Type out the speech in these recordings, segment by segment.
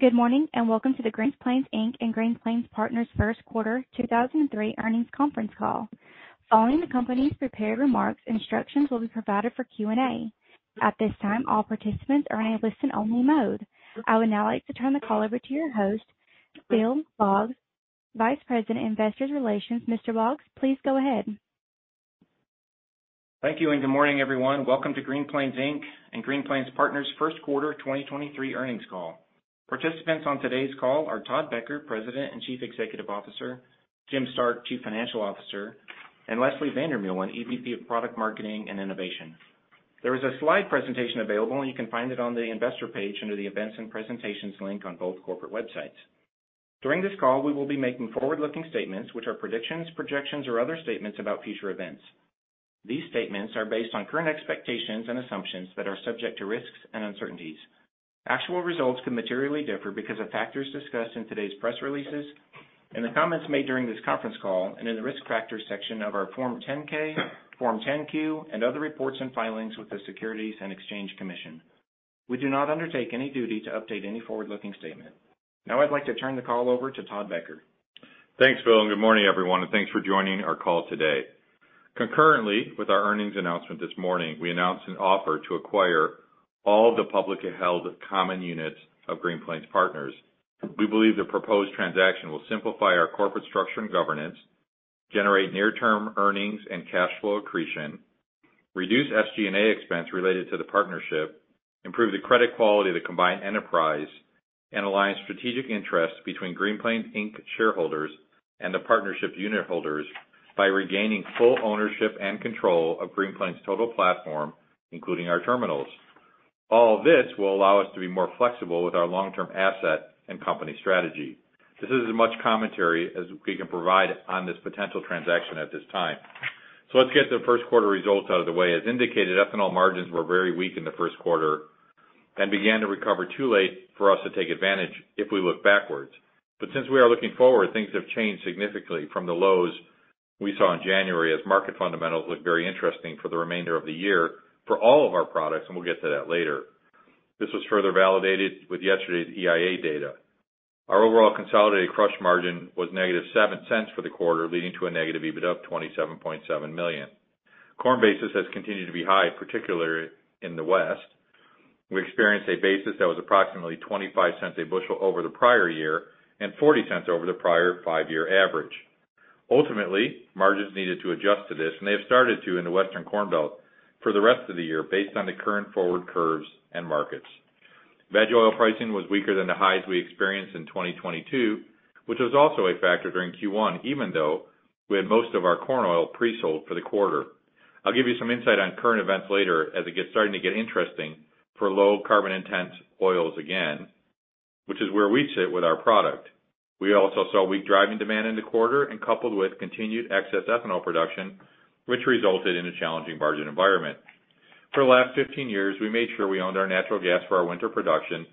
Good morning. Welcome to the Green Plains Inc. and Green Plains Partners first quarter 2003 earnings conference call. Following the company's prepared remarks, instructions will be provided for Q&A. At this time, all participants are in a listen-only mode. I would now like to turn the call over to your host, Phil Boggs, Vice President, Investor Relations. Mr. Boggs, please go ahead. Thank you, good morning, everyone. Welcome to Green Plains Inc. and Green Plains Partners first quarter 2023 earnings call. Participants on today's call are Todd Becker, President and Chief Executive Officer, Jim Stark, Chief Financial Officer, and Leslie van der Meulen, EVP of Product Marketing and Innovation. There is a slide presentation available. You can find it on the investor page under the Events and Presentations link on both corporate websites. During this call, we will be making forward-looking statements, which are predictions, projections, or other statements about future events. These statements are based on current expectations and assumptions that are subject to risks and uncertainties. Actual results can materially differ because of factors discussed in today's press releases and the comments made during this conference call and in the Risk Factors section of our Form 10-K, Form 10-Q, and other reports and filings with the Securities and Exchange Commission. We do not undertake any duty to update any forward-looking statement. I'd like to turn the call over to Todd Becker. Thanks, Phil. Good morning, everyone, and thanks for joining our call today. Concurrently with our earnings announcement this morning, we announced an offer to acquire all the publicly held common units of Green Plains Partners. We believe the proposed transaction will simplify our corporate structure and governance, generate near-term earnings and cash flow accretion, reduce SG&A expense related to the partnership, improve the credit quality of the combined enterprise, and align strategic interests between Green Plains Inc. shareholders and the partnership unit holders by regaining full ownership and control of Green Plains' total platform, including our terminals. This will allow us to be more flexible with our long-term asset and company strategy. This is as much commentary as we can provide on this potential transaction at this time. Let's get the first quarter results out of the way. As indicated, ethanol margins were very weak in the first quarter and began to recover too late for us to take advantage if we look backwards. Since we are looking forward, things have changed significantly from the lows we saw in January as market fundamentals look very interesting for the remainder of the year for all of our products, and we'll get to that later. This was further validated with yesterday's EIA data. Our overall consolidated crush margin was -$0.07 for the quarter, leading to a negative EBITDA of $27.7 million. Corn basis has continued to be high, particularly in the West. We experienced a basis that was approximately $0.25 a bushel over the prior year and $0.40 over the prior five-year average. Margins needed to adjust to this, and they have started to in the Western Corn Belt for the rest of the year based on the current forward curves and markets. Veg oil pricing was weaker than the highs we experienced in 2022, which was also a factor during Q1, even though we had most of our corn oil pre-sold for the quarter. I'll give you some insight on current events later as it starting to get interesting for low carbon intense oils again, which is where we sit with our product. We also saw weak driving demand in the quarter coupled with continued excess ethanol production, which resulted in a challenging margin environment. For the last 15 years, we made sure we owned our natural gas for our winter production,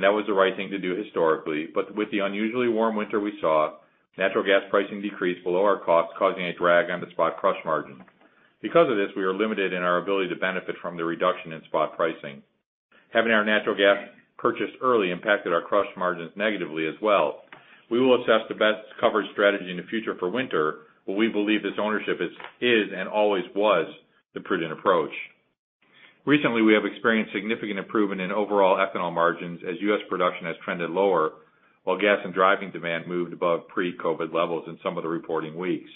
that was the right thing to do historically. With the unusually warm winter we saw, natural gas pricing decreased below our cost, causing a drag on the spot crush margin. Because of this, we are limited in our ability to benefit from the reduction in spot pricing. Having our natural gas purchased early impacted our crush margins negatively as well. We will assess the best coverage strategy in the future for winter, but we believe this ownership is and always was the prudent approach. Recently, we have experienced significant improvement in overall ethanol margins as U.S. production has trended lower, while gas and driving demand moved above pre-COVID levels in some of the reporting weeks.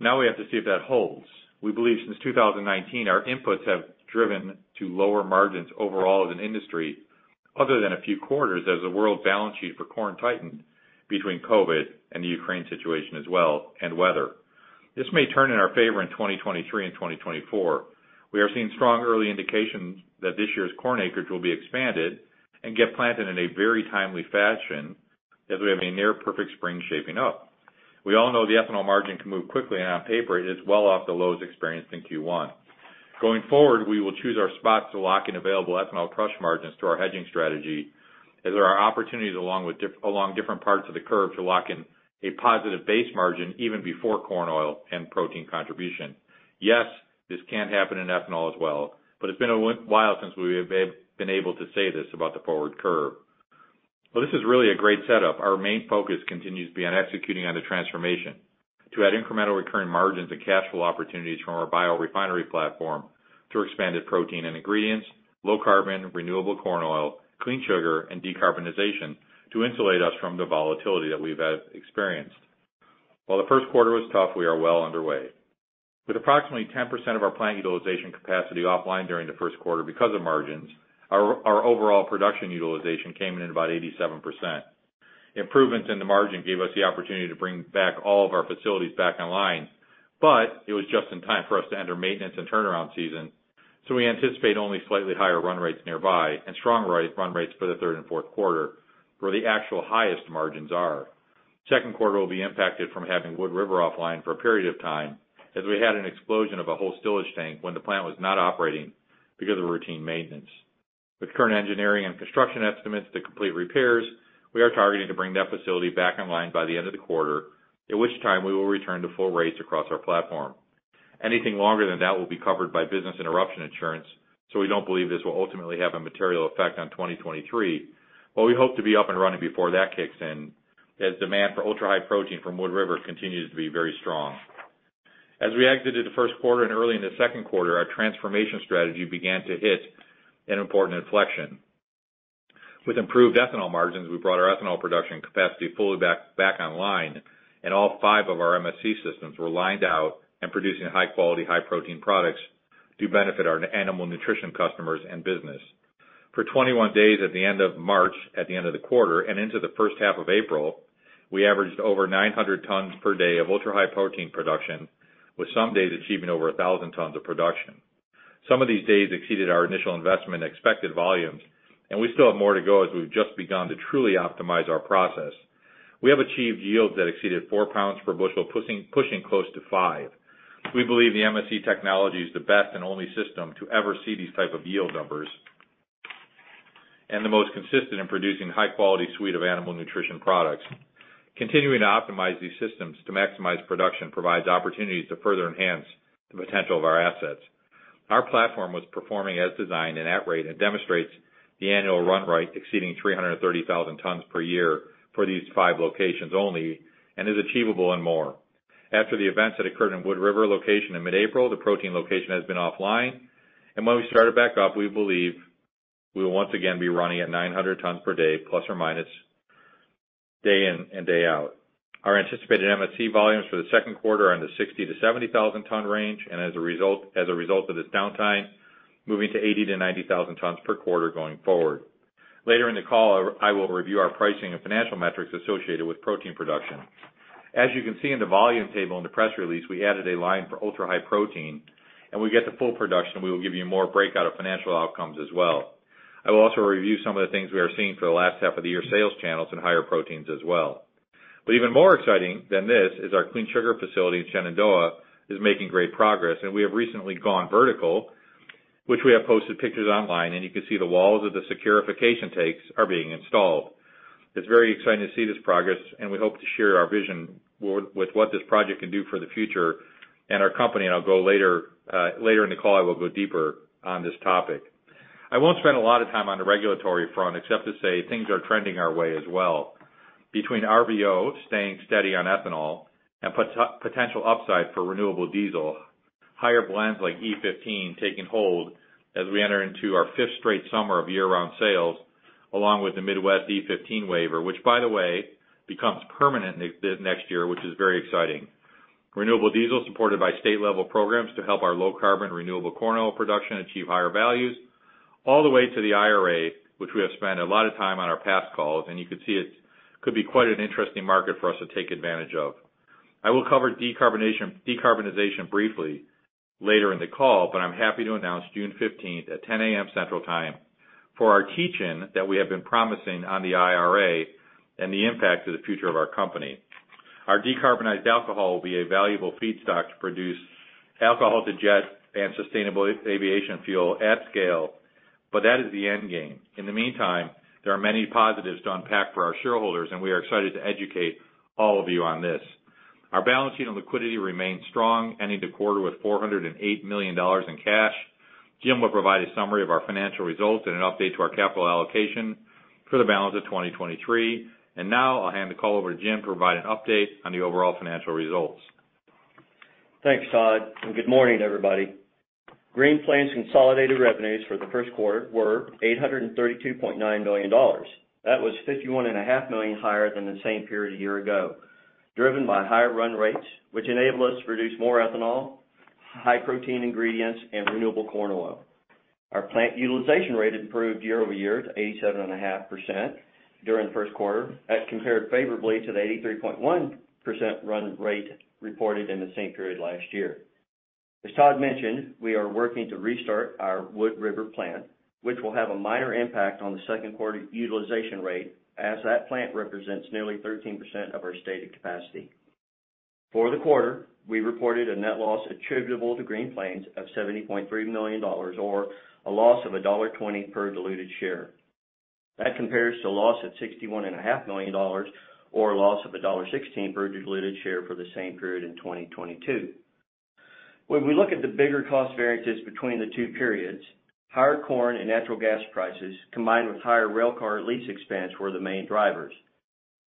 Now we have to see if that holds. We believe since 2019, our inputs have driven to lower margins overall as an industry other than a few quarters as the world's balance sheet for corn tightened between COVID and the Ukraine situation as well, and weather. This may turn in our favor in 2023 and 2024. We are seeing strong early indications that this year's corn acreage will be expanded and get planted in a very timely fashion as we have a near perfect spring shaping up. We all know the ethanol margin can move quickly, and on paper it is well off the lows experienced in Q1. Going forward, we will choose our spots to lock in available ethanol crush margins through our hedging strategy as there are opportunities along different parts of the curve to lock in a positive base margin even before corn oil and protein contribution. Yes, this can happen in ethanol as well, but it's been a while since we've been able to say this about the forward curve. This is really a great setup. Our main focus continues to be on executing on the transformation to add incremental recurring margins and cash flow opportunities from our biorefinery platform to expanded protein and ingredients, low carbon, renewable corn oil, Clean Sugar, and decarbonization to insulate us from the volatility that we've had experienced. While the first quarter was tough, we are well underway. With approximately 10% of our plant utilization capacity offline during the first quarter because of margins, our overall production utilization came in about 87%. Improvements in the margin gave us the opportunity to bring back all of our facilities back online, but it was just in time for us to enter maintenance and turnaround season, so we anticipate only slightly higher run rates nearby and strong run rates for the third and fourth quarter, where the actual highest margins are. Second quarter will be impacted from having Wood River offline for a period of time, as we had an explosion of a whole stillage tank when the plant was not operating because of routine maintenance. With current engineering and construction estimates to complete repairs, we are targeting to bring that facility back online by the end of the quarter, at which time we will return to full rates across our platform. Anything longer than that will be covered by business interruption insurance, we don't believe this will ultimately have a material effect on 2023. We hope to be up and running before that kicks in, as demand for ultra-high protein from Wood River continues to be very strong. As we exited the first quarter and early in the second quarter, our transformation strategy began to hit an important inflection. With improved ethanol margins, we brought our ethanol production capacity fully back online, and all five of our MSC systems were lined out and producing high-quality, high-protein products to benefit our animal nutrition customers and business. For 21 days at the end of March, at the end of the quarter, and into the first half of April, we averaged over 900 tons per day of ultra-high protein production, with some days achieving over 1,000 tons of production. Some of these days exceeded our initial investment expected volumes, and we still have more to go as we've just begun to truly optimize our process. We have achieved yields that exceeded 4 lbs per bushel, pushing close to five. We believe the MSC technology is the best and only system to ever see these type of yield numbers, and the most consistent in producing high-quality suite of animal nutrition products. Continuing to optimize these systems to maximize production provides opportunities to further enhance the potential of our assets. Our platform was performing as designed and at rate, and demonstrates the annual run rate exceeding 330,000 tons per year for these five locations only, and is achievable and more. After the events that occurred in Wood River location in mid-April, the protein location has been offline, and when we started back up, we believe we will once again be running at 900 tons per day, ±, day in and day out. Our anticipated MSC volumes for the second quarter are in the 60,000-70,000 ton range, as a result of this downtime, moving to 80,000-90,000 tons per quarter going forward. Later in the call, I will review our pricing and financial metrics associated with protein production. As you can see in the volume table in the press release, we added a line for ultra-high protein. When we get to full production, we will give you more breakout of financial outcomes as well. I will also review some of the things we are seeing for the last half of the year sales channels and higher proteins as well. Even more exciting than this is our clean sugar facility in Shenandoah is making great progress, and we have recently gone vertical, which we have posted pictures online, and you can see the walls of the saccharification tanks are being installed. It's very exciting to see this progress, and we hope to share our vision with what this project can do for the future and our company. I'll go later in the call, I will go deeper on this topic. I won't spend a lot of time on the regulatory front, except to say things are trending our way as well. Between RVO staying steady on ethanol and potential upside for renewable diesel, higher blends like E15 taking hold as we enter into our fifth straight summer of year-round sales, along with the Midwest E15 waiver, which by the way, becomes permanent next year, which is very exciting. Renewable diesel supported by state-level programs to help our low-carbon renewable corn oil production achieve higher values, all the way to the IRA, which we have spent a lot of time on our past calls. You can see it could be quite an interesting market for us to take advantage of. I will cover decarbonization briefly later in the call. I'm happy to announce June 15th at 10:00 A.M. Central Time for our teach-in that we have been promising on the IRA and the impact to the future of our company. Our decarbonized alcohol will be a valuable feedstock to produce alcohol to jet and sustainable aviation fuel at scale. That is the end game. In the meantime, there are many positives to unpack for our shareholders. We are excited to educate all of you on this. Our balance sheet and liquidity remain strong, ending the quarter with $408 million in cash. Jim will provide a summary of our financial results and an update to our capital allocation for the balance of 2023. Now, I'll hand the call over to Jim to provide an update on the overall financial results. Thanks, Todd. Good morning, everybody. Green Plains' consolidated revenues for the first quarter were $832.9 million. That was 51.5 million higher than the same period a year ago, driven by higher run rates, which enabled us to produce more ethanol, high-protein ingredients, and renewable corn oil. Our plant utilization rate improved year-over-year to 87.5% during the first quarter. That compared favorably to the 83.1% run rate reported in the same period last year. As Todd mentioned, we are working to restart our Wood River plant, which will have a minor impact on the second quarter utilization rate as that plant represents nearly 13% of our stated capacity. For the quarter, we reported a net loss attributable to Green Plains of $70.3 million or a loss of $1.20 per diluted share. That compares to loss of $61.5 million or a loss of $1.16 per diluted share for the same period in 2022. When we look at the bigger cost variances between the two periods, higher corn and natural gas prices, combined with higher railcar lease expense were the main drivers.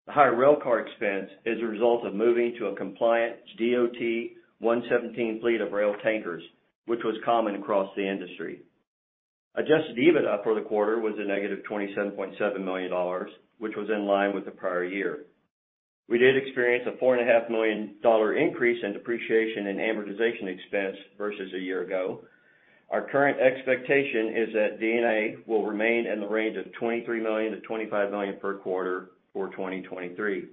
The higher railcar expense is a result of moving to a compliant DOT 117 fleet of rail tankers, which was common across the industry. Adjusted EBITDA for the quarter was a negative $27.7 million, which was in line with the prior year. We did experience a $41.5 million increase in depreciation and amortization expense versus a year ago. Our current expectation is that D&A will remain in the range of $23 million-$25 million per quarter for 2023.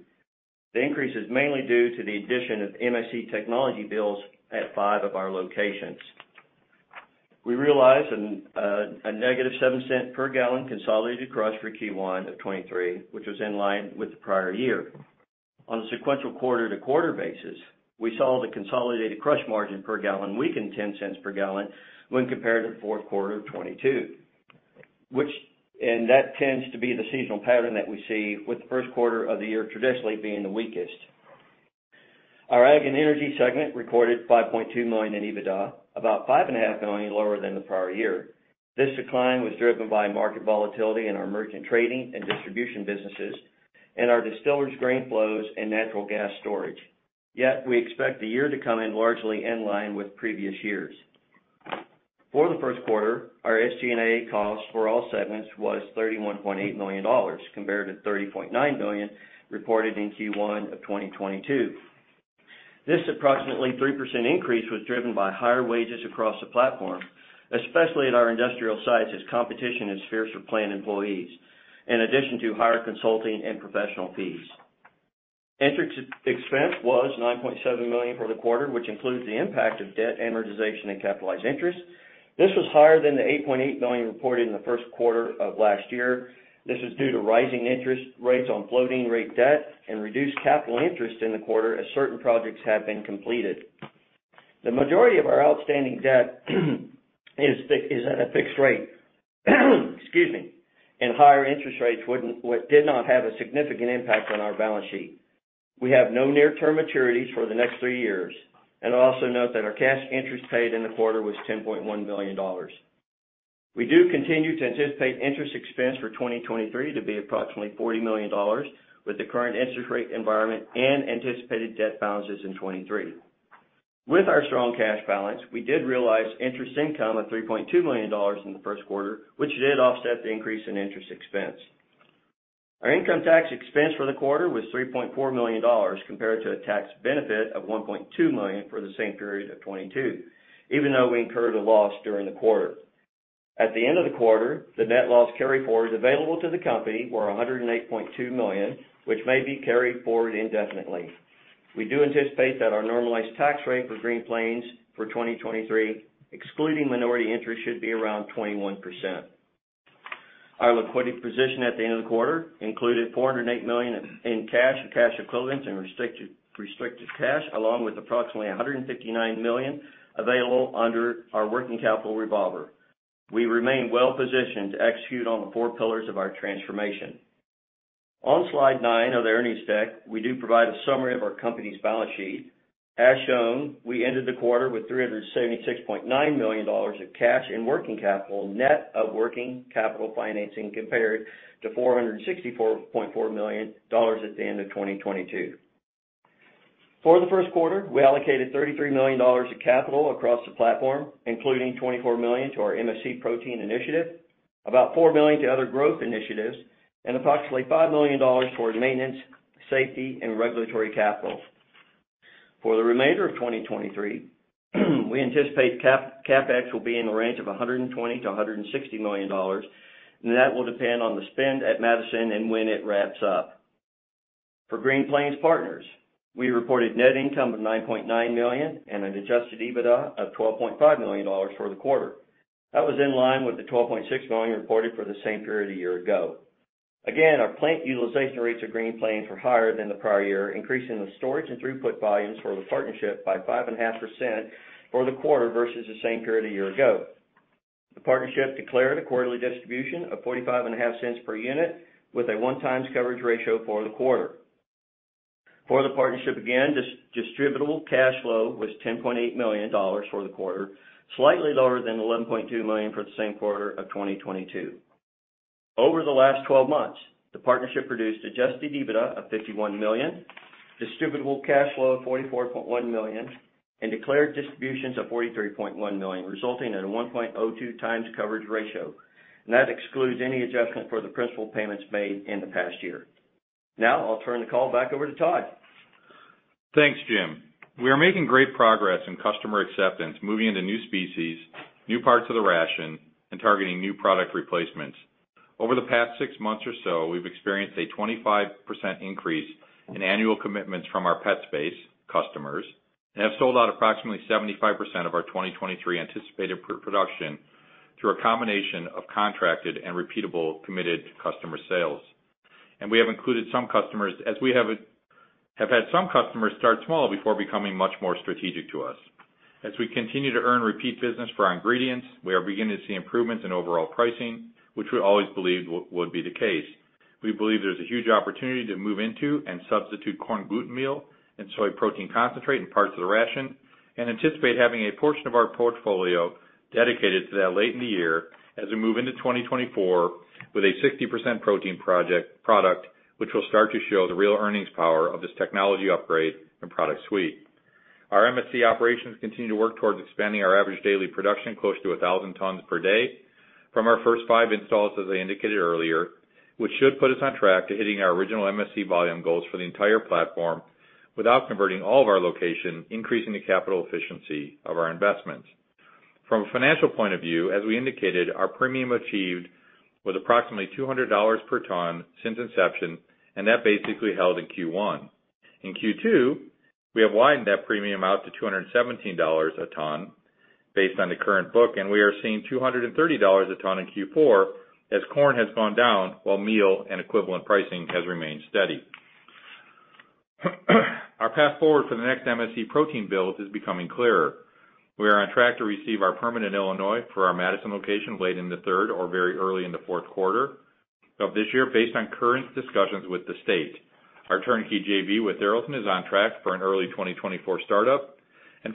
The increase is mainly due to the addition of MSC technology builds at five of our locations. We realized a negative $0.07 per gal consolidated crush for Q1 of 2023, which was in line with the prior year. On a sequential quarter-over-quarter basis, we saw the consolidated crush margin per gal weaken $0.10 per gal when compared to the fourth quarter of 2022. That tends to be the seasonal pattern that we see with the first quarter of the year traditionally being the weakest. Our Ag and Energy segment recorded $5.2 million in EBITDA, about five and a half million lower than the prior year. This decline was driven by market volatility in our merchant trading and distribution businesses and our distillers' grain flows and natural gas storage. We expect the year to come in largely in line with previous years. For the first quarter, our SG&A cost for all segments was $31.8 million compared to $30.9 million reported in Q1 of 2022. This approximately 3% increase was driven by higher wages across the platform, especially at our industrial sites, as competition is fierce for plant employees, in addition to higher consulting and professional fees. Interest expense was $9.7 million for the quarter, which includes the impact of debt amortization and capitalized interest. This was higher than the $8.8 million reported in the first quarter of last year. This is due to rising interest rates on floating rate debt and reduced capital interest in the quarter as certain projects have been completed. The majority of our outstanding debt is at a fixed rate. Excuse me. Higher interest rates would not have a significant impact on our balance sheet. We have no near-term maturities for the next three years. Also note that our cash interest paid in the quarter was $10.1 million. We do continue to anticipate interest expense for 2023 to be approximately $40 million with the current interest rate environment and anticipated debt balances in 2023. With our strong cash balance, we did realize interest income of $3.2 million in the first quarter, which did offset the increase in interest expense. Our income tax expense for the quarter was $3.4 million compared to a tax benefit of $1.2 million for the same period of 2022, even though we incurred a loss during the quarter. At the end of the quarter, the net loss carryforward available to the company were $108.2 million, which may be carried forward indefinitely. We do anticipate that our normalized tax rate for Green Plains for 2023, excluding minority interest, should be around 21%. Our liquidity position at the end of the quarter included $408 million in cash and cash equivalents and restricted cash, along with approximately $159 million available under our working capital revolver. We remain well-positioned to execute on the four pillars of our transformation. On slide 9 of the earnings deck, we do provide a summary of our company's balance sheet. As shown, we ended the quarter with $376.9 million of cash and working capital, net of working capital financing compared to $464.4 million at the end of 2022. For the first quarter, we allocated $33 million of capital across the platform, including $24 million to our MSC protein initiative, about $4 million to other growth initiatives, and approximately $5 million towards maintenance, safety, and regulatory capital. For the remainder of 2023, we anticipate CapEx will be in the range of $120 million-$160 million. That will depend on the spend at Madison and when it wraps up. For Green Plains Partners, we reported net income of $9.9 million and an adjusted EBITDA of $12.5 million for the quarter. That was in line with the $12.6 million reported for the same period a year ago. Our plant utilization rates at Green Plains were higher than the prior year, increasing the storage and throughput volumes for the partnership by 5.5% for the quarter versus the same period a year ago. The partnership declared a quarterly distribution of forty-five and a half cents per unit with a 1 times coverage ratio for the quarter. For the partnership, distributable cash flow was $10.8 million for the quarter, slightly lower than $11.2 million for the same quarter of 2022. Over the last 12 months, the partnership produced adjusted EBITDA of $51 million, distributable cash flow of $44.1 million, and declared distributions of $43.1 million, resulting in a 1.02 times coverage ratio. That excludes any adjustment for the principal payments made in the past year. Now, I'll turn the call back over to Todd. Thanks, Jim. We are making great progress in customer acceptance, moving into new species, new parts of the ration, and targeting new product replacements. Over the past six months or so, we've experienced a 25% increase in annual commitments from our pet space customers and have sold out approximately 75% of our 2023 anticipated production through a combination of contracted and repeatable committed customer sales. We have included some customers as we have had some customers start small before becoming much more strategic to us. As we continue to earn repeat business for our ingredients, we are beginning to see improvements in overall pricing, which we always believed would be the case. We believe there's a huge opportunity to move into and substitute corn gluten meal and soy protein concentrate in parts of the ration, anticipate having a portion of our portfolio dedicated to that late in the year as we move into 2024 with a 60% protein product, which will start to show the real earnings power of this technology upgrade and product suite. Our MSC operations continue to work towards expanding our average daily production close to 1,000 tons per day from our first five installs, as I indicated earlier, which should put us on track to hitting our original MSC volume goals for the entire platform without converting all of our location, increasing the capital efficiency of our investments. From a financial point of view, as we indicated, our premium achieved was approximately $200 per ton since inception. That basically held in Q1. In Q2, we have widened that premium out to $217 a ton based on the current book. We are seeing $230 a ton in Q4 as corn has gone down while meal and equivalent pricing has remained steady. Our path forward for the next MSC protein build is becoming clearer. We are on track to receive our permit in Illinois for our Madison location late in the third or very early in the fourth quarter of this year, based on current discussions with the state. Our turnkey JV with Tharaldson is on track for an early 2024 startup.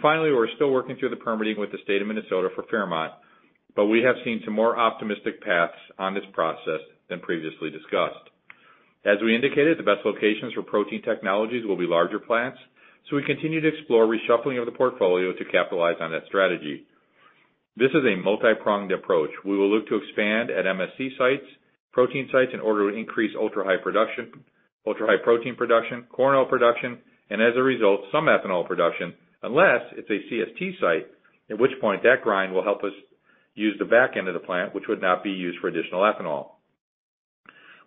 Finally, we're still working through the permitting with the state of Minnesota for Fairmont, but we have seen some more optimistic paths on this process than previously discussed. As we indicated, the best locations for protein technologies will be larger plants, so we continue to explore reshuffling of the portfolio to capitalize on that strategy. This is a multipronged approach. We will look to expand at MSC sites, protein sites in order to increase ultra-high protein production, corn oil production, and as a result, some ethanol production, unless it's a CST site, at which point that grind will help us use the back end of the plant, which would not be used for additional ethanol.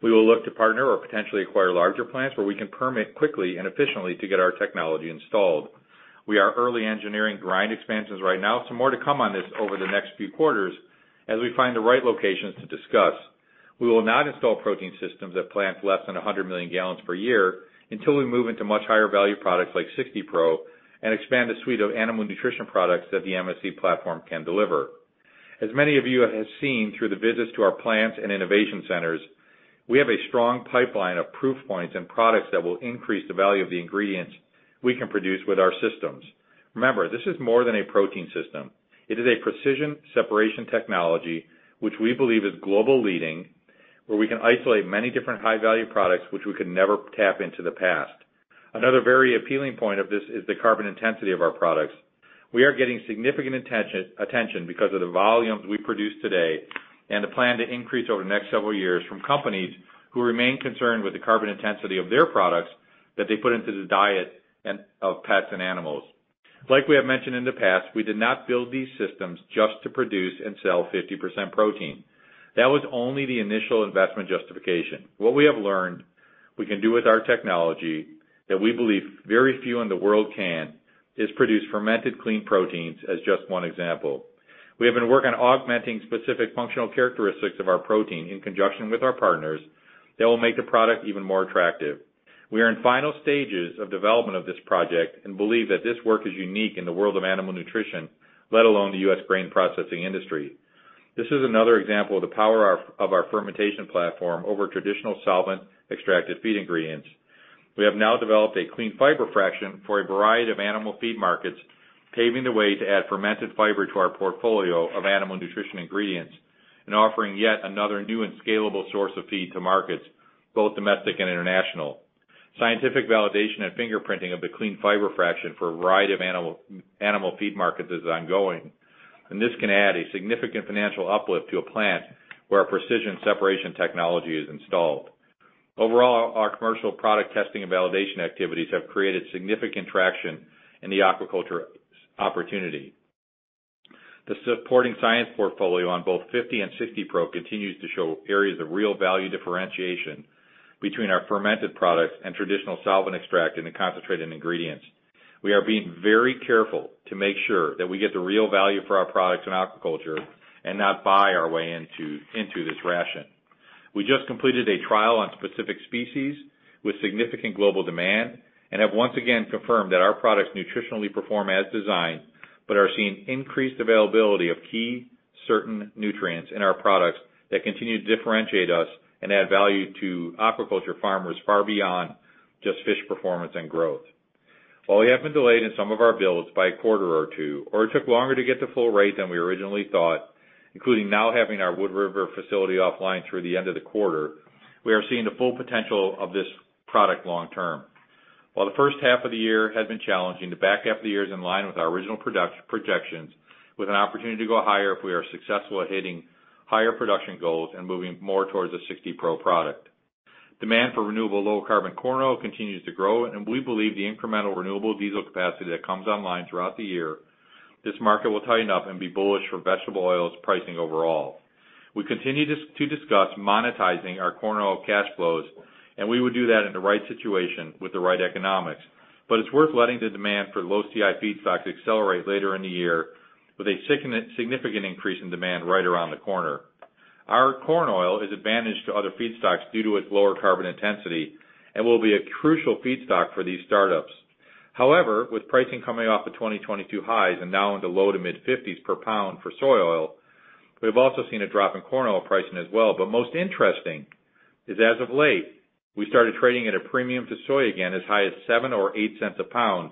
We will look to partner or potentially acquire larger plants where we can permit quickly and efficiently to get our technology installed. We are early engineering grind expansions right now, so more to come on this over the next few quarters as we find the right locations to discuss. We will not install protein systems at plants less than 100 million gal per year until we move into much higher value products like 60 Pro and expand the suite of animal nutrition products that the MSC platform can deliver. As many of you have seen through the visits to our plants and innovation centers, we have a strong pipeline of proof points and products that will increase the value of the ingredients we can produce with our systems. Remember, this is more than a protein system. It is a precision separation technology, which we believe is global leading, where we can isolate many different high-value products, which we could never tap into the past. Another very appealing point of this is the carbon intensity of our products. We are getting significant attention because of the volumes we produce today and the plan to increase over the next several years from companies who remain concerned with the carbon intensity of their products that they put into the diet of pets and animals. Like we have mentioned in the past, we did not build these systems just to produce and sell 50% protein. That was only the initial investment justification. What we have learned we can do with our technology that we believe very few in the world can, is produce fermented clean proteins, as just one example. We have been working on augmenting specific functional characteristics of our protein in conjunction with our partners that will make the product even more attractive. We are in final stages of development of this project and believe that this work is unique in the world of animal nutrition, let alone the U.S. grain processing industry. This is another example of the power of our fermentation platform over traditional solvent extracted feed ingredients. We have now developed a clean fiber fraction for a variety of animal feed markets, paving the way to add fermented fiber to our portfolio of animal nutrition ingredients and offering yet another new and scalable source of feed to markets, both domestic and international. Scientific validation and fingerprinting of the clean fiber fraction for a variety of animal feed markets is ongoing, and this can add a significant financial uplift to a plant where our precision separation technology is installed. Overall, our commercial product testing and validation activities have created significant traction in the aquaculture opportunity. The supporting science portfolio on both 50 Pro and 60 Pro continues to show areas of real value differentiation between our fermented products and traditional solvent extract in the concentrated ingredients. We are being very careful to make sure that we get the real value for our products in aquaculture and not buy our way into this ration. We just completed a trial on specific species with significant global demand and have once again confirmed that our products nutritionally perform as designed, but are seeing increased availability of key certain nutrients in our products that continue to differentiate us and add value to aquaculture farmers far beyond just fish performance and growth. While we have been delayed in some of our builds by a quarter or two, or it took longer to get to full rate than we originally thought, including now having our Wood River facility offline through the end of the quarter, we are seeing the full potential of this product long term. While the first half of the year has been challenging, the back half of the year is in line with our original projections, with an opportunity to go higher if we are successful at hitting higher production goals and moving more towards a 60 Pro product. Demand for renewable low carbon corn oil continues to grow, and we believe the incremental renewable diesel capacity that comes online throughout the year, this market will tighten up and be bullish for vegetable oils pricing overall. We continue to discuss monetizing our corn oil cash flows. We would do that in the right situation with the right economics. It's worth letting the demand for low CI feedstocks accelerate later in the year with a significant increase in demand right around the corner. Our corn oil is advantaged to other feedstocks due to its lower carbon intensity and will be a crucial feedstock for these startups. However, with pricing coming off the 2022 highs and now in the low to mid $0.50s per lbs for soy oil, we've also seen a drop in corn oil pricing as well. Most interesting is as of late, we started trading at a premium to soy again, as high as $0.07 or $0.08 a lbs.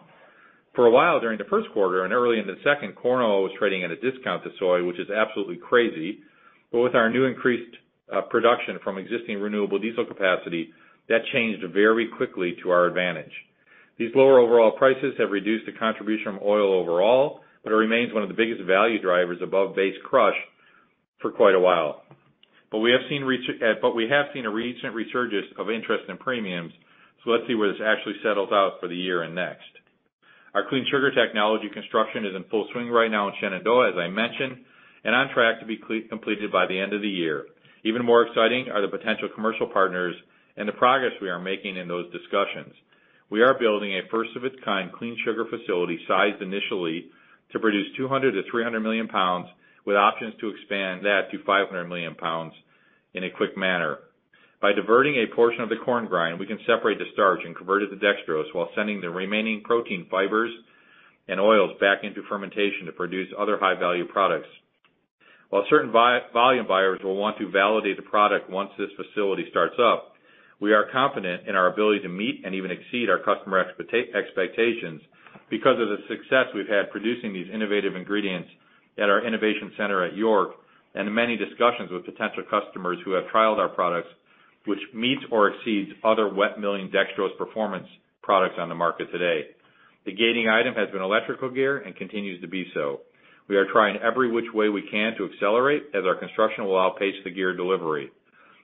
For a while during the first quarter and early in the second, corn oil was trading at a discount to soy, which is absolutely crazy. With our new increased production from existing renewable diesel capacity, that changed very quickly to our advantage. These lower overall prices have reduced the contribution from oil overall, but it remains one of the biggest value drivers above base crush for quite a while. We have seen a recent resurgence of interest in premiums. Let's see where this actually settles out for the year and next. Our Clean Sugar Technology construction is in full swing right now in Shenandoah, as I mentioned, and on track to be completed by the end of the year. Even more exciting are the potential commercial partners and the progress we are making in those discussions. We are building a first of its kind clean sugar facility sized initially to produce 200 million-300 million lbs with options to expand that to 500 million lbs. In a quick manner. By diverting a portion of the corn grind, we can separate the starch and convert it to dextrose while sending the remaining protein fibers and oils back into fermentation to produce other high-value products. While certain volume buyers will want to validate the product once this facility starts up, we are confident in our ability to meet and even exceed our customer expectations because of the success we've had producing these innovative ingredients at our innovation center at York and the many discussions with potential customers who have trialed our products, which meets or exceeds other wet milling dextrose performance products on the market today. The gating item has been electrical gear and continues to be so. We are trying every which way we can to accelerate, as our construction will outpace the gear delivery.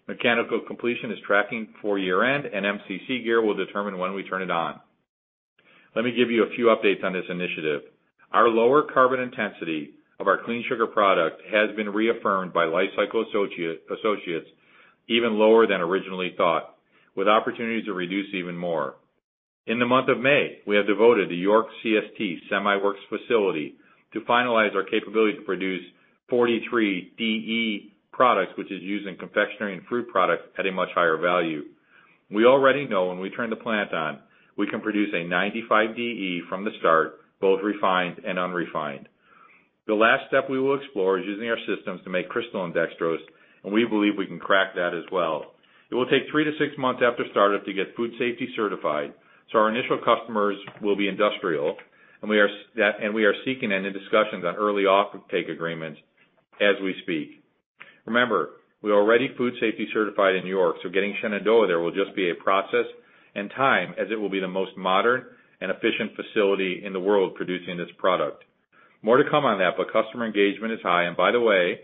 Mechanical completion is tracking for year-end, and MCC gear will determine when we turn it on. Let me give you a few updates on this initiative. Our lower carbon intensity of our clean sugar product has been reaffirmed by LifeCycle Associates even lower than originally thought, with opportunities to reduce even more. In the month of May, we have devoted the York CST semiworks facility to finalize our capability to produce 43 DE products, which is used in confectionery and fruit products at a much higher value. We already know when we turn the plant on, we can produce a 95 DE from the start, both refined and unrefined. The last step we will explore is using our systems to make crystalline dextrose. We believe we can crack that as well. It will take three to six months after startup to get food safety certified. Our initial customers will be industrial, and we are yeah, we are seeking any discussions on early offtake agreements as we speak. Remember, we are already food safety certified in York. Getting Shenandoah there will just be a process and time as it will be the most modern and efficient facility in the world producing this product. More to come on that. Customer engagement is high. By the way,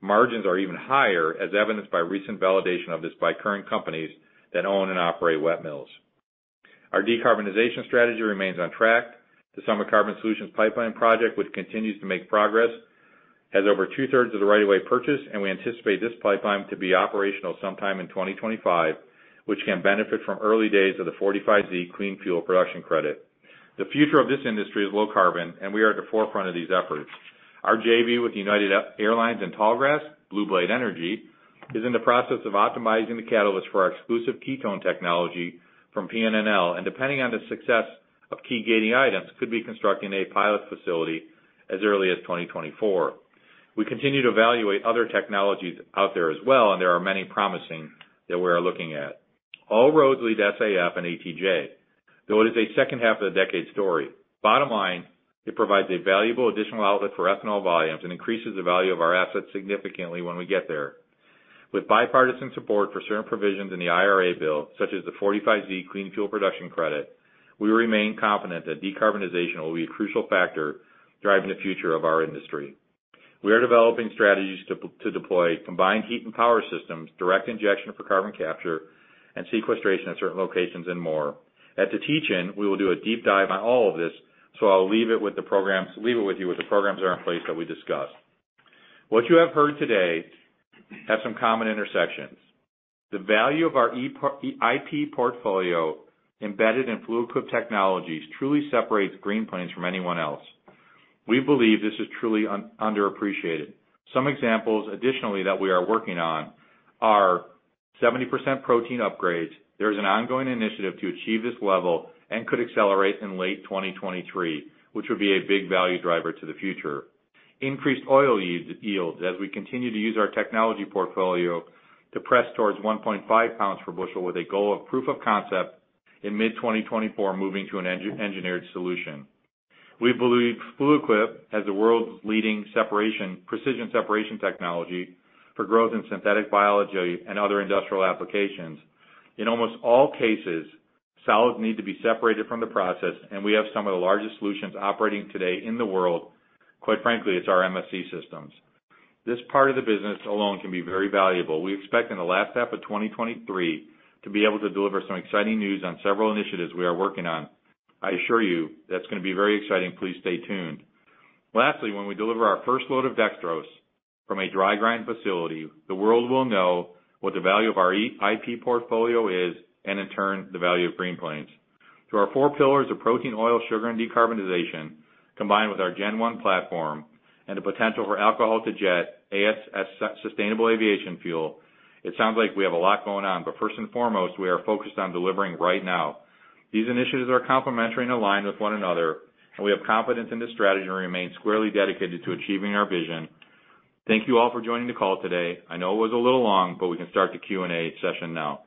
margins are even higher, as evidenced by recent validation of this by current companies that own and operate wet mills. Our decarbonization strategy remains on track. The Summit Carbon Solutions pipeline project, which continues to make progress, has over 2/3 of the right of way purchased. We anticipate this pipeline to be operational sometime in 2025, which can benefit from early days of the 45Z Clean Fuel Production Credit. The future of this industry is low carbon. We are at the forefront of these efforts. Our JV with United Airlines and Tallgrass, Blue Blade Energy, is in the process of optimizing the catalyst for our exclusive ketone technology from PNNL. Depending on the success of key gating items, could be constructing a pilot facility as early as 2024. We continue to evaluate other technologies out there as well. There are many promising that we are looking at. All roads lead to SAF and ATJ, though it is a second half of the decade story. Bottom line, it provides a valuable additional outlet for ethanol volumes and increases the value of our assets significantly when we get there. With bipartisan support for certain provisions in the IRA bill, such as the 45Z Clean Fuel Production Credit, we remain confident that decarbonization will be a crucial factor driving the future of our industry. We are developing strategies to deploy combined heat and power systems, direct injection for carbon capture and sequestration at certain locations and more. At the teach-in, we will do a deep dive on all of this, I'll leave it with you with the programs that are in place that we discussed. What you have heard today have some common intersections. The value of our IP portfolio embedded in Fluid Quip Technologies truly separates Green Plains from anyone else. We believe this is truly underappreciated. Some examples additionally that we are working on are 70% protein upgrades. There is an ongoing initiative to achieve this level and could accelerate in late 2023, which would be a big value driver to the future. Increased oil yield as we continue to use our technology portfolio to press towards 1.5 lbs per bushel with a goal of proof of concept in mid-2024, moving to an engineered solution. We believe Fluid Quip as the world's leading separation, precision separation technology for growth in synthetic biology and other industrial applications. In almost all cases, solids need to be separated from the process, and we have some of the largest solutions operating today in the world. Quite frankly, it's our MSC systems. This part of the business alone can be very valuable. We expect in the last half of 2023 to be able to deliver some exciting news on several initiatives we are working on. I assure you that's gonna be very exciting. Please stay tuned. Lastly, when we deliver our first load of dextrose from a dry grind facility, the world will know what the value of our the IP portfolio is, and in turn, the value of Green Plains. Through our four pillars of protein, oil, sugar, and decarbonization, combined with our Gen-1 platform and the potential for alcohol to jet as sustainable aviation fuel, it sounds like we have a lot going on. First and foremost, we are focused on delivering right now. These initiatives are complementary and aligned with one another, and we have confidence in this strategy and remain squarely dedicated to achieving our vision. Thank you all for joining the call today. I know it was a little long, but we can start the Q&A session now.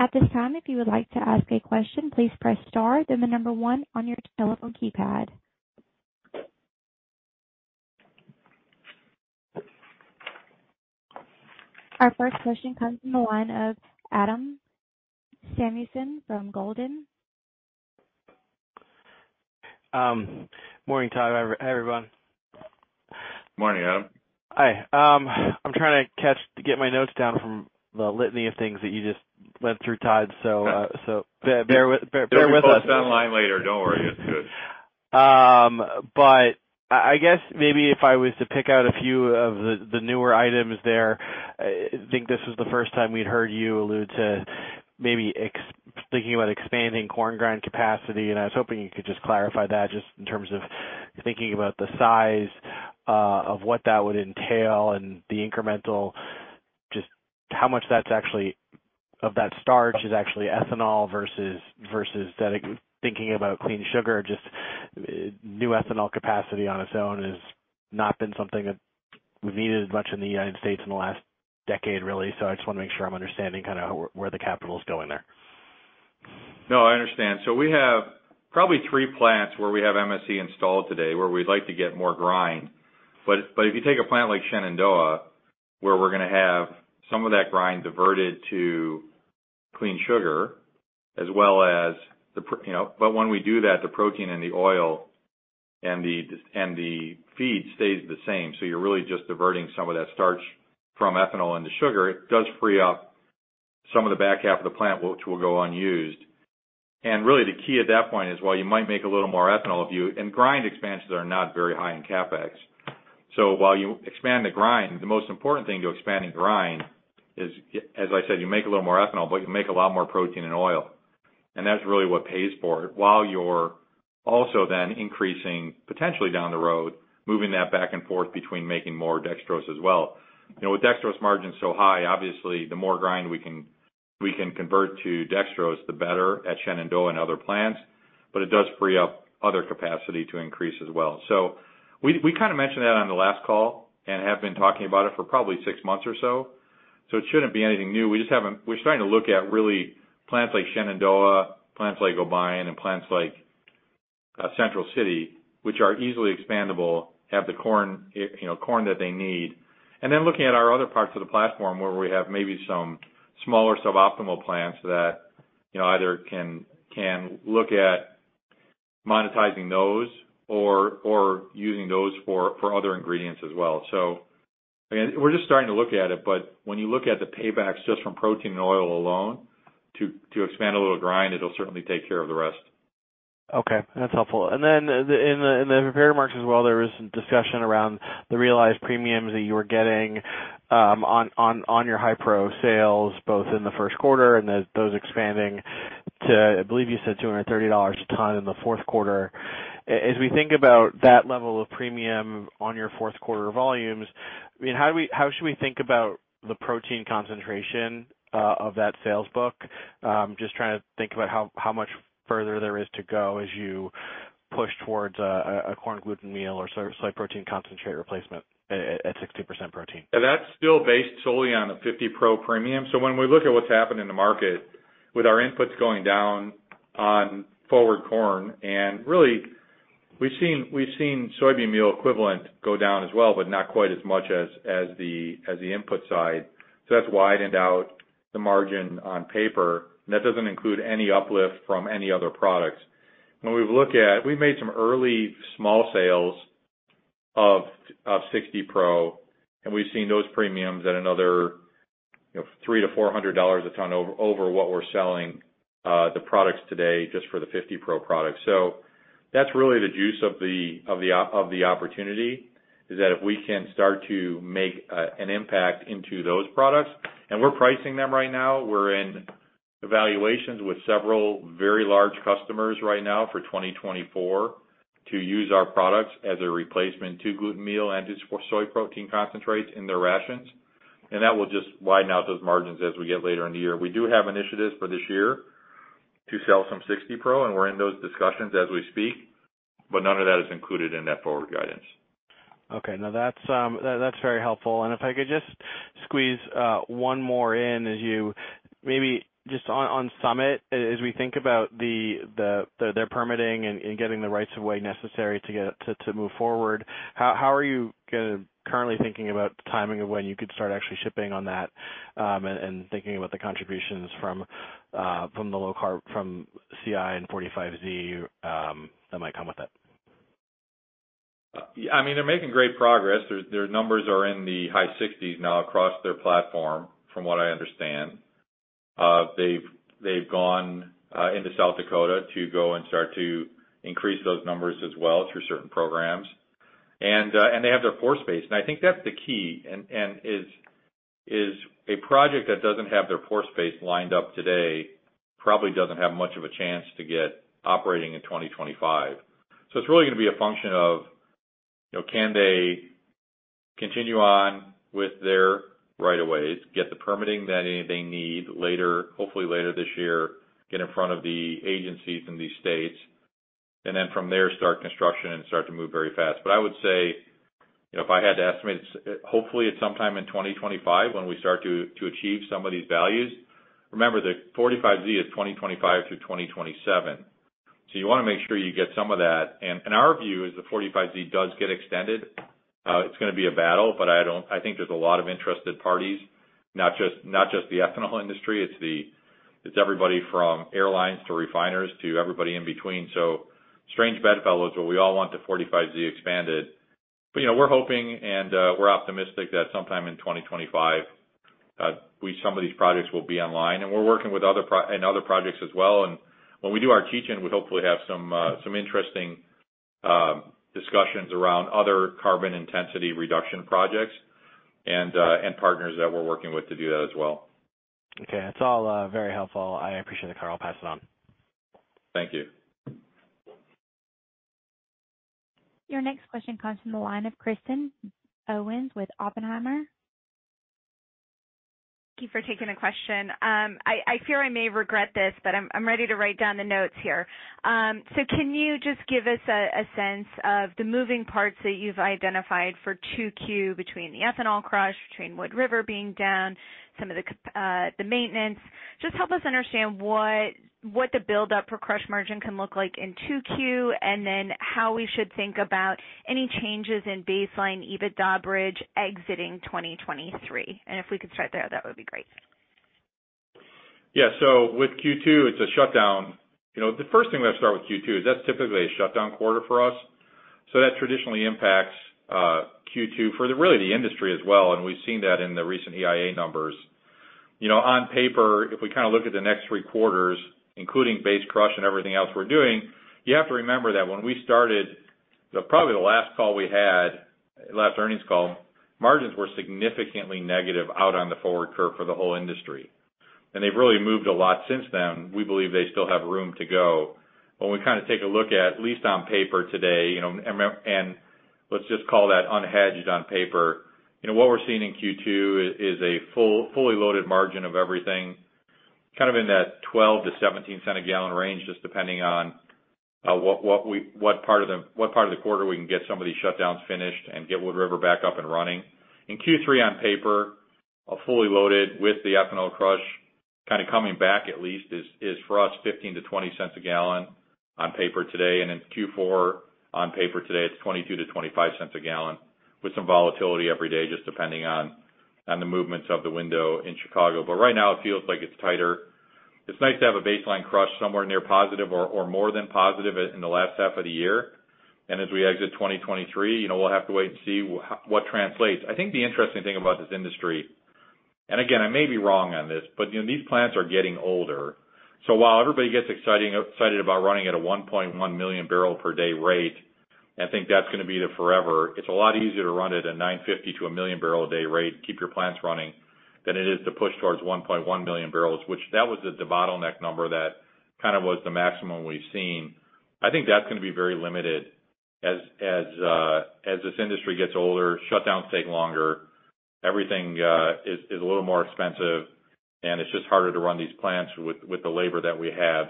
At this time, if you would like to ask a question, please press star then the number one on your telephone keypad. Our first question comes from the line of Adam Samuelson from Goldman Sachs. Morning, Todd. Everyone. Morning, Adam. Hi. I'm trying to get my notes down from the litany of things that you just went through, Todd. Bear with us. We'll both online later. Don't worry. It's good. I guess maybe if I was to pick out a few of the newer items there, I think this was the first time we'd heard you allude to maybe thinking about expanding corn grind capacity, and I was hoping you could just clarify that just in terms of thinking about the size of what that would entail and the incremental, just how much that's actually, of that starch is actually ethanol versus the thinking about clean sugar. Just new ethanol capacity on its own has not been something that we've needed as much in the United States in the last decade, really. I just wanna make sure I'm understanding kinda where the capital's going there. No, I understand. We have probably three plants where we have MSC installed today, where we'd like to get more grind. If you take a plant like Shenandoah, where we're going to have some of that grind diverted to Clean Sugar as well as you know. When we do that, the protein and the oil and the feed stays the same, so you're really just diverting some of that starch from ethanol into sugar. It does free up some of the back half of the plant which will go unused. Really, the key at that point is, while you might make a little more ethanol and grind expansions are not very high in CapEx. While you expand the grind, the most important thing to expanding grind is, as I said, you make a little more ethanol, but you make a lot more protein and oil. That's really what pays for it, while you're also then increasing, potentially down the road, moving that back and forth between making more dextrose as well. You know, with dextrose margins so high, obviously, the more grind we can, we can convert to dextrose, the better at Shenandoah and other plants, but it does free up other capacity to increase as well. We, we kinda mentioned that on the last call and have been talking about it for probably six months or so it shouldn't be anything new. We just haven't, we're starting to look at really plants like Shenandoah, plants like Obion, and plants like Central City, which are easily expandable, have the corn, you know, corn that they need. Then looking at our other parts of the platform, where we have maybe some smaller, suboptimal plants that, you know, either can look at monetizing those or using those for other ingredients as well. Again, we're just starting to look at it, but when you look at the paybacks just from protein and oil alone, to expand a little grind, it'll certainly take care of the rest. Okay. That's helpful. In the prepared remarks as well, there was some discussion around the realized premiums that you were getting on your high pro sales, both in the first quarter and then those expanding to, I believe you said, $230 a ton in the fourth quarter. As we think about that level of premium on your fourth quarter volumes, how should we think about the protein concentration of that sales book? Just trying to think about how much further there is to go as you push towards a corn gluten meal or soy protein concentrate replacement at 60% protein. Yeah, that's still based solely on a 50 Pro premium. When we look at what's happened in the market with our inputs going down on forward corn, and really we've seen soybean meal equivalent go down as well, but not quite as much as the input side. That's widened out the margin on paper, and that doesn't include any uplift from any other products. When we look at. We've made some early small sales of 60 Pro, and we've seen those premiums at another, you know, $300-$400 a ton over what we're selling the products today just for the 50 Pro products. That's really the juice of the opportunity, is that if we can start to make an impact into those products. We're pricing them right now. We're in evaluations with several very large customers right now for 2024 to use our products as a replacement to gluten meal and to soy protein concentrates in their rations. That will just widen out those margins as we get later in the year. We do have initiatives for this year to sell some 60 Pro, and we're in those discussions as we speak, but none of that is included in that forward guidance. Okay. No, that's very helpful. If I could just squeeze one more in as you maybe just on Summit, as we think about their permitting and getting the rights of way necessary to move forward, how are you kinda currently thinking about the timing of when you could start actually shipping on that, and thinking about the contributions from the low carbon, from CI and 45Z, that might come with it? Yeah. I mean, they're making great progress. Their numbers are in the high sixties now across their platform, from what I understand. They've gone into South Dakota to go and start to increase those numbers as well through certain programs. They have their force base, and I think that's the key and is a project that doesn't have their force base lined up today probably doesn't have much of a chance to get operating in 2025. It's really gonna be a function of, you know, can they continue on with their right of ways, get the permitting that they need later, hopefully later this year, get in front of the agencies in these states, and then from there start construction and start to move very fast. I would say, you know, if I had to estimate, hopefully it's sometime in 2025 when we start to achieve some of these values. Remember that 45Z is 2025 through 2027, so you wanna make sure you get some of that. In our view, as the 45Z does get extended, it's gonna be a battle, but I think there's a lot of interested parties, not just the ethanol industry. It's everybody from airlines to refiners to everybody in between. Strange bedfellows, but we all want the 45Z expanded. You know, we're hoping and we're optimistic that sometime in 2025, some of these projects will be online, and we're working with other projects as well. When we do our teach-in, we'll hopefully have some interesting, discussions around other carbon intensity reduction projects and partners that we're working with to do that as well. Okay. That's all very helpful. I appreciate it, I'll pass it on. Thank you. Your next question comes from the line of Kristen Owen with Oppenheimer. Thank you for taking the question. I fear I may regret this, but I'm ready to write down the notes here. Can you just give us a sense of the moving parts that you've identified for 2Q between the ethanol crush, between Wood River being down, some of the CapEx, the maintenance? Just help us understand what the buildup for crush margin can look like in 2Q, and then how we should think about any changes in baseline EBITDA bridge exiting 2023? If we could start there, that would be great. Yeah. With Q2, it's a shutdown. You know, the first thing we have to start with Q2 is that's typically a shutdown quarter for us, so that traditionally impacts Q2 for the really the industry as well, and we've seen that in the recent EIA numbers. You know, on paper, if we kinda look at the next three quarters, including base crush and everything else we're doing, you have to remember that when we started, probably the last call we had, last earnings call, margins were significantly negative out on the forward curve for the whole industry. They've really moved a lot since then. We believe they still have room to go. When we kinda take a look at least on paper today, you know, let's just call that unhedged on paper. You know, what we're seeing in Q2 is a fully loaded margin of everything, kind of in that $0.12-$0.17 a gal range, just depending on what part of the quarter we can get some of these shutdowns finished and get Wood River back up and running. Q3 on paper, a fully loaded with the ethanol crush kinda coming back at least is for us $0.15-$0.20 a gal on paper today. In Q4 on paper today, it's $0.22-$0.25 a gal with some volatility every day, just depending on the movements of the window in Chicago. Right now it feels like it's tighter. It's nice to have a baseline crush somewhere near positive or more than positive in the last half of the year. As we exit 2023, you know, we'll have to wait and see what translates. I think the interesting thing about this industry, and again, I may be wrong on this, but, you know, these plants are getting older. While everybody gets excited about running at a 1.1 million bbl per day rate, I think that's gonna be there forever. It's a lot easier to run it at 950 to 1 million bbl a day rate, keep your plants running, than it is to push towards 1.1 million bbls, which that was the bottleneck number that kind of was the maximum we've seen. I think that's gonna be very limited as this industry gets older, shutdowns take longer, everything is a little more expensive, and it's just harder to run these plants with the labor that we have.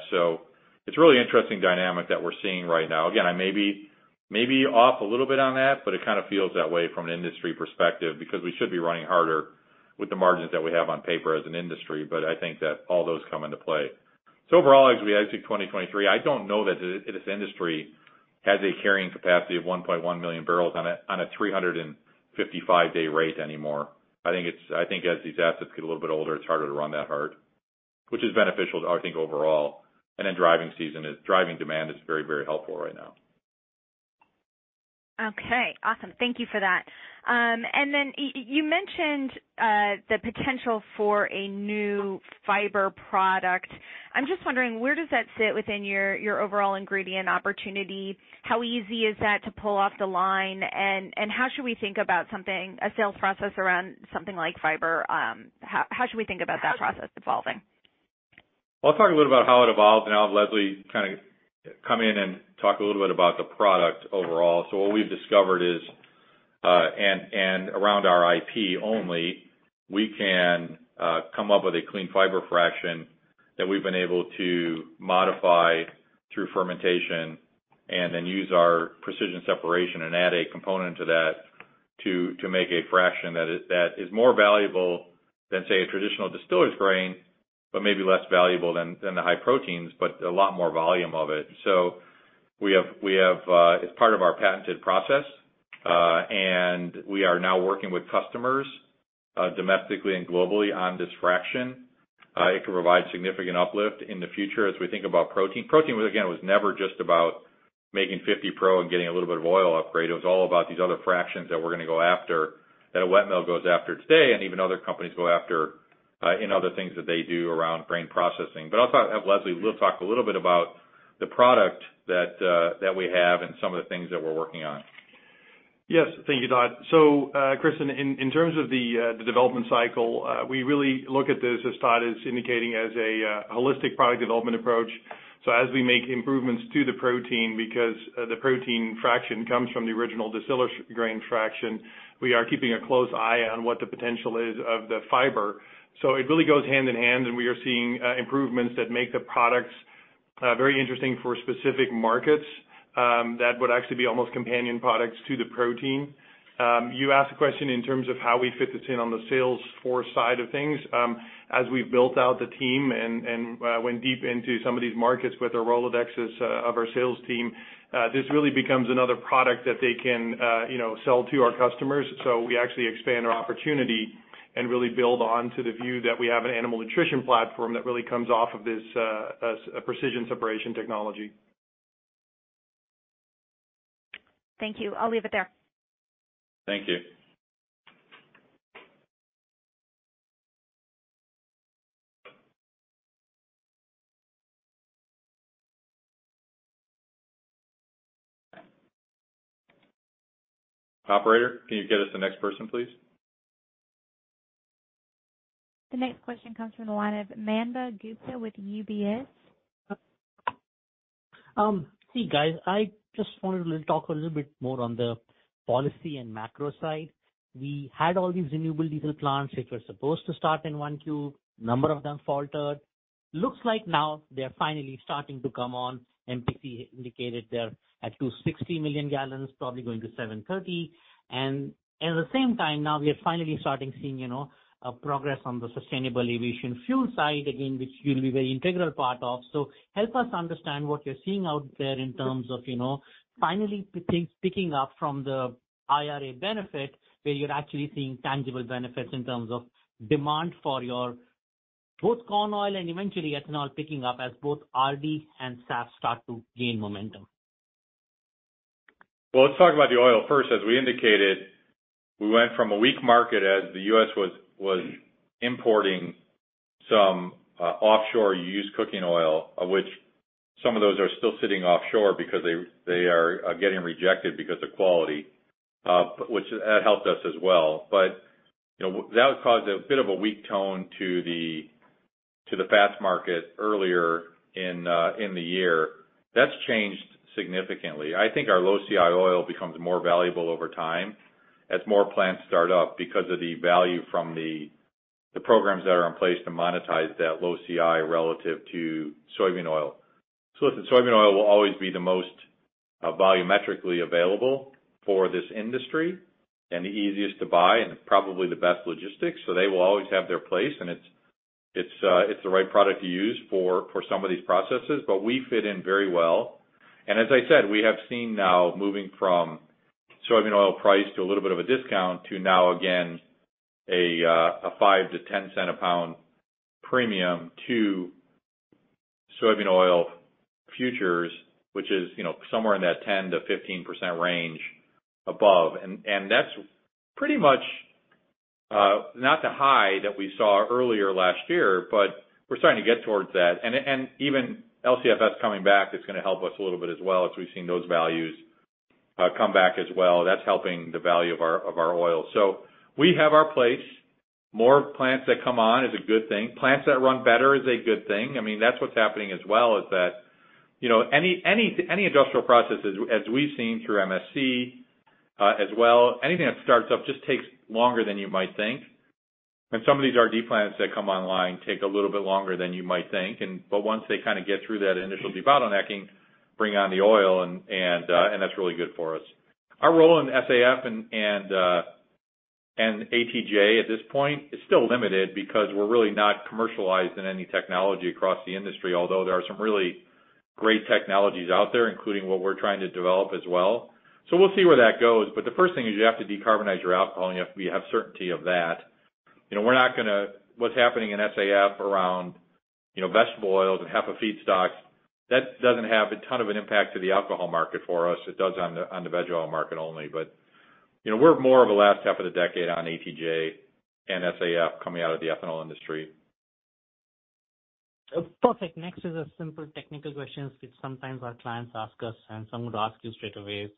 It's a really interesting dynamic that we're seeing right now. Again, I may be off a little bit on that, but it kinda feels that way from an industry perspective because we should be running harder with the margins that we have on paper as an industry. I think that all those come into play. Overall, as we exit 2023, I don't know that this industry has a carrying capacity of 1.1 million bbl on a 355 day rate anymore. I think as these assets get a little bit older, it's harder to run that hard, which is beneficial, I think, overall. Then driving demand is very, very helpful right now. Okay. Awesome. Thank you for that. Then you mentioned the potential for a new fiber product. I'm just wondering, where does that sit within your overall ingredient opportunity? How easy is that to pull off the line? How should we think about a sales process around something like fiber? How should we think about that process evolving? I'll talk a little bit about how it evolves, and I'll have Leslie van der Meulen kind of come in and talk a little bit about the product overall. What we've discovered is, and around our IP only, we can come up with a clean fiber fraction that we've been able to modify through fermentation and then use our precision separation and add a component to that to make a fraction that is more valuable than, say, a traditional distiller's grain, but maybe less valuable than the high proteins, but a lot more volume of it. We have, as part of our patented process, and we are now working with customers domestically and globally on this fraction. It can provide significant uplift in the future as we think about protein. Protein again, was never just about making 50 Pro and getting a little bit of oil upgrade. It was all about these other fractions that we're gonna go after, that a wet mill goes after today and even other companies go after in other things that they do around grain processing. I'll have Leslie talk a little bit about the product that we have and some of the things that we're working on. Yes. Thank you, Todd. Kristen, in terms of the development cycle, we really look at this as Todd is indicating as a holistic product development approach. As we make improvements to the protein, because the protein fraction comes from the original distiller grain fraction, we are keeping a close eye on what the potential is of the fiber. It really goes hand in hand, and we are seeing improvements that make the products very interesting for specific markets, that would actually be almost companion products to the protein. You asked a question in terms of how we fit this in on the sales force side of things. As we've built out the team and went deep into some of these markets with the Rolodexes of our sales team, this really becomes another product that they can, you know, sell to our customers. We actually expand our opportunity and really build on to the view that we have an animal nutrition platform that really comes off of this precision separation technology. Thank you. I'll leave it there. Thank you. Operator, can you get us the next person, please? The next question comes from the line of Manav Gupta with UBS. See guys, I just wanted to talk a little bit more on the policy and macro side. We had all these renewable diesel plants which were supposed to start in 1Q. A number of them faltered. Looks like now they are finally starting to come on. MPC indicated they're at 260 million gal, probably going to 730. At the same time now we are finally starting seeing, you know, progress on the Sustainable Aviation Fuel side again, which you'll be very integral part of. Help us understand what you're seeing out there in terms of, you know, finally things picking up from the IRA benefit, where you're actually seeing tangible benefits in terms of demand for your both corn oil and eventually ethanol picking up as both RD and SAF start to gain momentum. Well, let's talk about the oil first. As we indicated, we went from a weak market as the U.S. was importing some offshore used cooking oil, of which some of those are still sitting offshore because they are getting rejected because of quality, which that helped us as well. You know, that would cause a bit of a weak tone to the fats market earlier in the year. That's changed significantly. I think our low CI oil becomes more valuable over time as more plants start up because of the value from the programs that are in place to monetize that low CI relative to soybean oil. Listen, soybean oil will always be the most volumetrically available for this industry and the easiest to buy and probably the best logistics. They will always have their place. It's the right product to use for some of these processes. We fit in very well. As I said, we have seen now moving from soybean oil price to a little bit of a discount to now again a 5-10 cent a lbs premium to soybean oil futures, which is, you know, somewhere in that 10%-15% range above. That's pretty much not the high that we saw earlier last year, but we're starting to get towards that. Even LCFS coming back is going to help us a little bit as well as we've seen those values come back as well. That's helping the value of our oil. We have our place. More plants that come on is a good thing. Plants that run better is a good thing. I mean, that's what's happening as well, is that, you know, any industrial processes, as we've seen through MSC, as well, anything that starts up just takes longer than you might think. Some of these RD plants that come online take a little bit longer than you might think. Once they kind of get through that initial bottlenecking, bring on the oil and that's really good for us. Our role in SAF and ATJ at this point is still limited because we're really not commercialized in any technology across the industry, although there are some really great technologies out there, including what we're trying to develop as well. We'll see where that goes. The first thing is you have to decarbonize your alcohol, and you have to have certainty of that. You know, we're not gonna. What's happening in SAF around, you know, vegetable oils and HEFA feedstocks, that doesn't have a ton of an impact to the alcohol market for us. It does on the, on the veg oil market only. You know, we're more of a last half of the decade on ATJ and SAF coming out of the ethanol industry. Perfect. Next is a simple technical question which sometimes our clients ask us, and some would ask you straight away.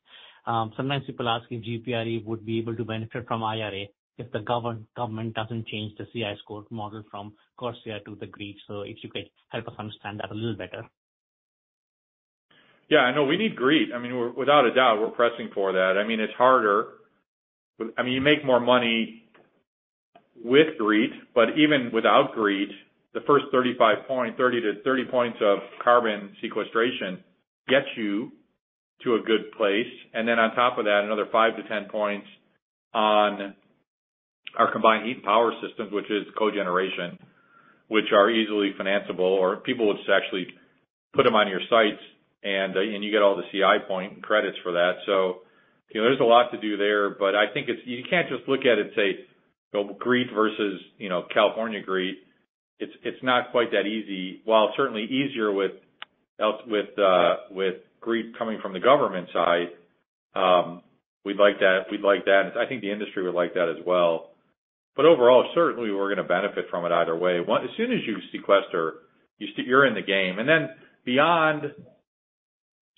Sometimes people ask if GPRE would be able to benefit from IRA if the government doesn't change the CI score model from CORSIA CI to the GREET. If you could help us understand that a little better. I know we need GREET. I mean, without a doubt we're pressing for that. I mean, it's harder. I mean, you make more money with GREET, but even without GREET, the first 35 point, 30 to 30 points of carbon sequestration gets you to a good place. Then on top of that, another 5 to 10 points on our combined heat power systems, which is cogeneration, which are easily financeable or people would actually put them on your sites and you get all the CI point credits for that. You know, there's a lot to do there. I think you can't just look at it and say, GREET versus, you know, California GREET. It's not quite that easy. While it's certainly easier with GREET coming from the government side, we'd like that, and I think the industry would like that as well. Overall, certainly we're gonna benefit from it either way. One, as soon as you sequester, you're in the game. Beyond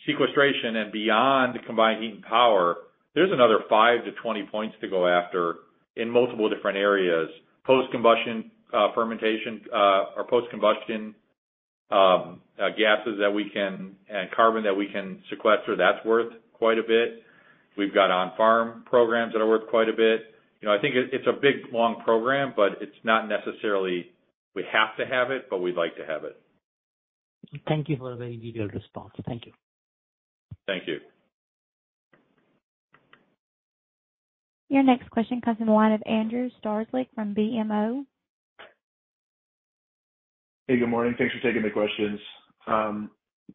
sequestration and beyond combined heat and power, there's another 5-20 points to go after in multiple different areas. Post combustion, fermentation, or post combustion, and carbon that we can sequester, that's worth quite a bit. We've got on-farm programs that are worth quite a bit. You know, I think it's a big, long program, but it's not necessarily we have to have it, but we'd like to have it. Thank you for a very detailed response. Thank you. Thank you. Your next question comes from the line of Andrew Strelzik from BMO Capital Markets. Hey, good morning. Thanks for taking the questions.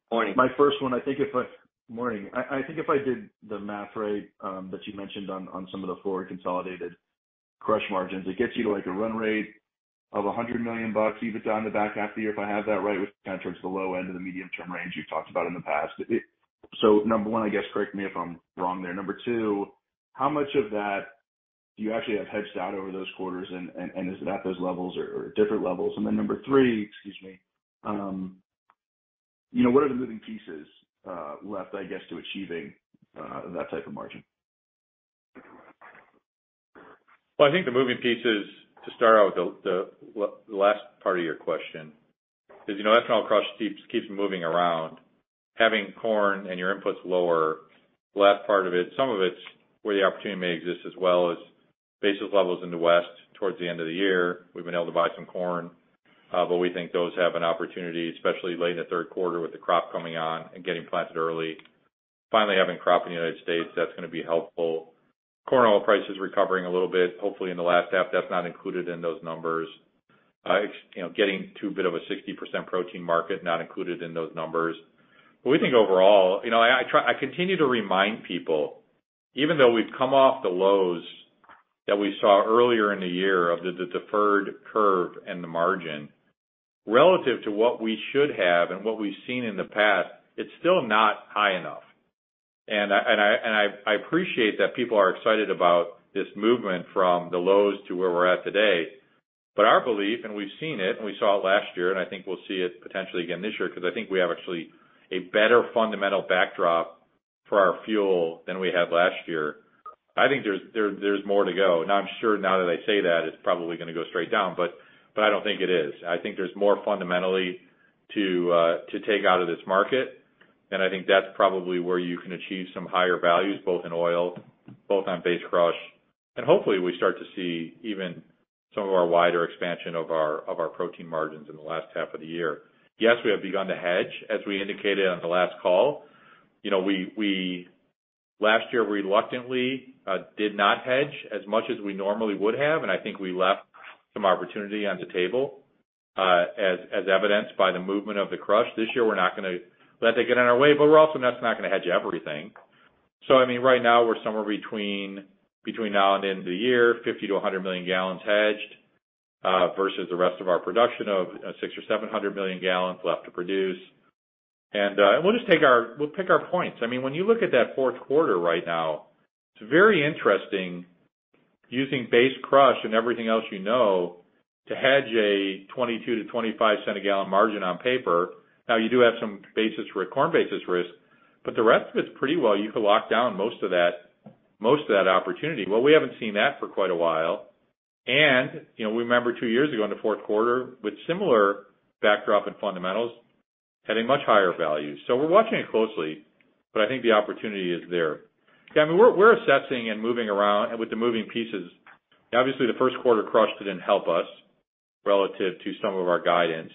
Morning. My first one, I think if I did the math right, that you mentioned on some of the forward consolidated crush margins. It gets you to like a run rate of $100 million, even on the back half of the year, if I have that right, which is kind of towards the low end of the medium-term range you've talked about in the past. Number one, I guess, correct me if I'm wrong there. Number two, how much of that do you actually have hedged out over those quarters? Is it at those levels or different levels? Number three, excuse me, you know, what are the moving pieces left, I guess, to achieving that type of margin? Well, I think the moving pieces, to start out with the last part of your question, 'cause, you know, ethanol crush keeps moving around. Having corn and your inputs lower, the last part of it, some of it's where the opportunity may exist as well as basis levels in the West towards the end of the year, we've been able to buy some corn, but we think those have an opportunity, especially late in the third quarter with the crop coming on and getting planted early. Finally having crop in the United States, that's gonna be helpful. Corn oil prices recovering a little bit, hopefully in the last half. That's not included in those numbers. You know, getting to a bit of a 60% protein market, not included in those numbers. We think overall, you know, I try. I continue to remind people, even though we've come off the lows that we saw earlier in the year of the deferred curve and the margin, relative to what we should have and what we've seen in the past, it's still not high enough. I appreciate that people are excited about this movement from the lows to where we're at today. Our belief, and we've seen it and we saw it last year, and I think we'll see it potentially again this year, 'cause I think we have actually a better fundamental backdrop for our fuel than we had last year. I think there's more to go. I'm sure now that I say that, it's probably gonna go straight down, but I don't think it is. I think there's more fundamentally to take out of this market. I think that's probably where you can achieve some higher values, both in oil, both on base crush. Hopefully, we start to see even some of our wider expansion of our protein margins in the last half of the year. Yes, we have begun to hedge, as we indicated on the last call. You know, we last year reluctantly did not hedge as much as we normally would have, and I think we left some opportunity on the table, as evidenced by the movement of the crush. This year, we're not gonna let that get in our way, but we're also not gonna hedge everything. I mean, right now we're somewhere between now and the end of the year, 50 to 100 million gal hedged, versus the rest of our production of 600 or 700 million gal left to produce. We'll just pick our points. I mean, when you look at that fourth quarter right now, it's very interesting using base crush and everything else you know to hedge a $0.22-$0.25 a gal margin on paper. Now you do have some corn basis risk, the rest of it's pretty well, you could lock down most of that opportunity. Well, we haven't seen that for quite a while. You know, we remember two-years ago in the fourth quarter with similar backdrop and fundamentals, having much higher values. We're watching it closely, but I think the opportunity is there. Yeah, I mean, we're assessing and moving around with the moving pieces. Obviously, the first quarter crush didn't help us relative to some of our guidance.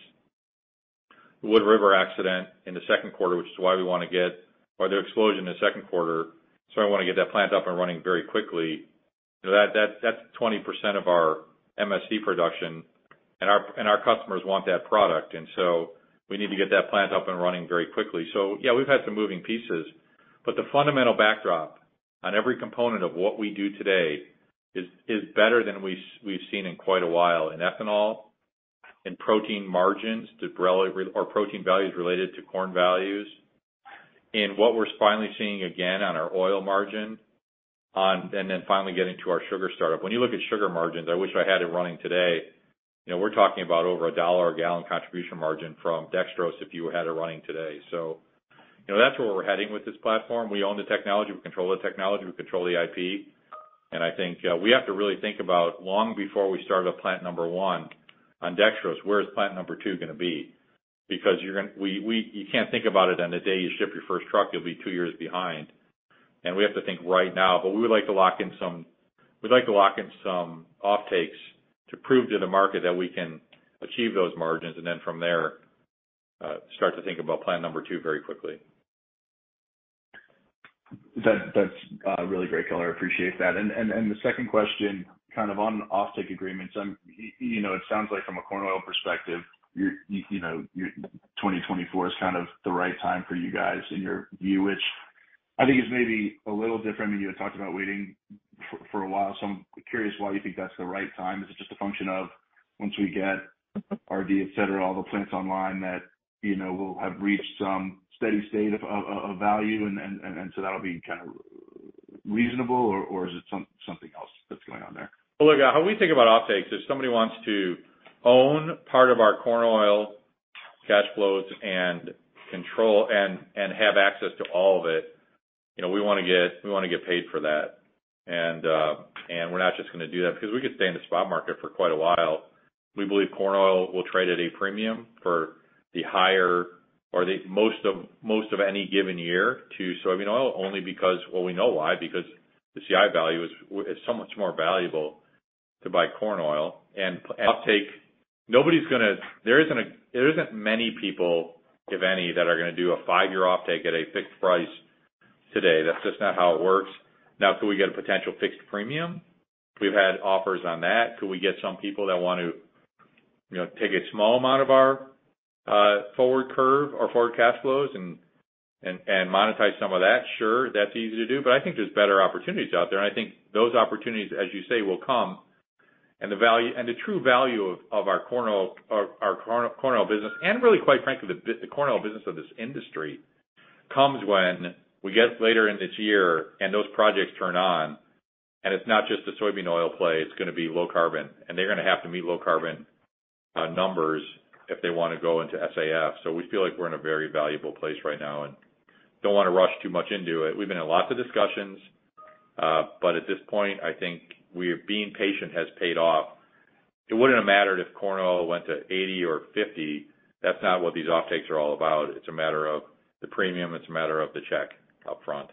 The Wood River accident in the second quarter, which is why we wanna get or the explosion in the second quarter, we wanna get that plant up and running very quickly. You know, that's 20% of our MSC production and our customers want that product. We need to get that plant up and running very quickly. Yeah, we've had some moving pieces. The fundamental backdrop on every component of what we do today is better than we've seen in quite a while in ethanol, in protein margins or protein values related to corn values. In what we're finally seeing again on our oil margin and then finally getting to our sugar startup. When you look at sugar margins, I wish I had it running today. You know, we're talking about over $1 a gal contribution margin from dextrose if you had it running today. You know, that's where we're heading with this platform. We own the technology, we control the technology, we control the IP. I think we have to really think about long before we start up plant number one on dextrose, where is plant number two gonna be? Because we, you can't think about it on the day you ship your first truck, you'll be two years behind. We have to think right now, but we would like to lock in some offtakes to prove to the market that we can achieve those margins, and then from there, start to think about plant number two very quickly. That's really great, color. I appreciate that. The second question kind of on offtake agreements. You know, it sounds like from a corn oil perspective, you know, you're 2024 is kind of the right time for you guys in your view, which I think is maybe a little different than you had talked about waiting for a while. I'm curious why you think that's the right time. Is it just a function of once we get RD, et cetera, all the plants online that, you know, we'll have reached some steady state of value and so that'll be kind of reasonable or is it something else that's going on there? Look, how we think about offtakes, if somebody wants to own part of our corn oil cash flows and control and have access to all of it, you know, we wanna get, we wanna get paid for that. We're not just gonna do that because we could stay in the spot market for quite a while. We believe corn oil will trade at a premium for the higher or the most of any given year to soybean oil, only because, well, we know why, because the CI value is so much more valuable to buy corn oil. Offtake, nobody's gonna there isn't many people, if any, that are gonna do a five-year offtake at a fixed price today. That's just not how it works. Could we get a potential fixed premium? We've had offers on that. Could we get some people that want to, you know, take a small amount of our forward curve or forward cash flows and monetize some of that. Sure, that's easy to do, but I think there's better opportunities out there. I think those opportunities, as you say, will come and the value and the true value of our corn oil or our corn oil business, and really quite frankly, the corn oil business of this industry comes when we get later in this year and those projects turn on, and it's not just the soybean oil play, it's gonna be low carbon. They're gonna have to meet low carbon numbers if they wanna go into SAF. We feel like we're in a very valuable place right now and don't wanna rush too much into it. We've been in lots of discussions. At this point, I think we're being patient has paid off. It wouldn't have mattered if corn oil went to $80 or $50. That's not what these offtakes are all about. It's a matter of the premium, it's a matter of the check up front.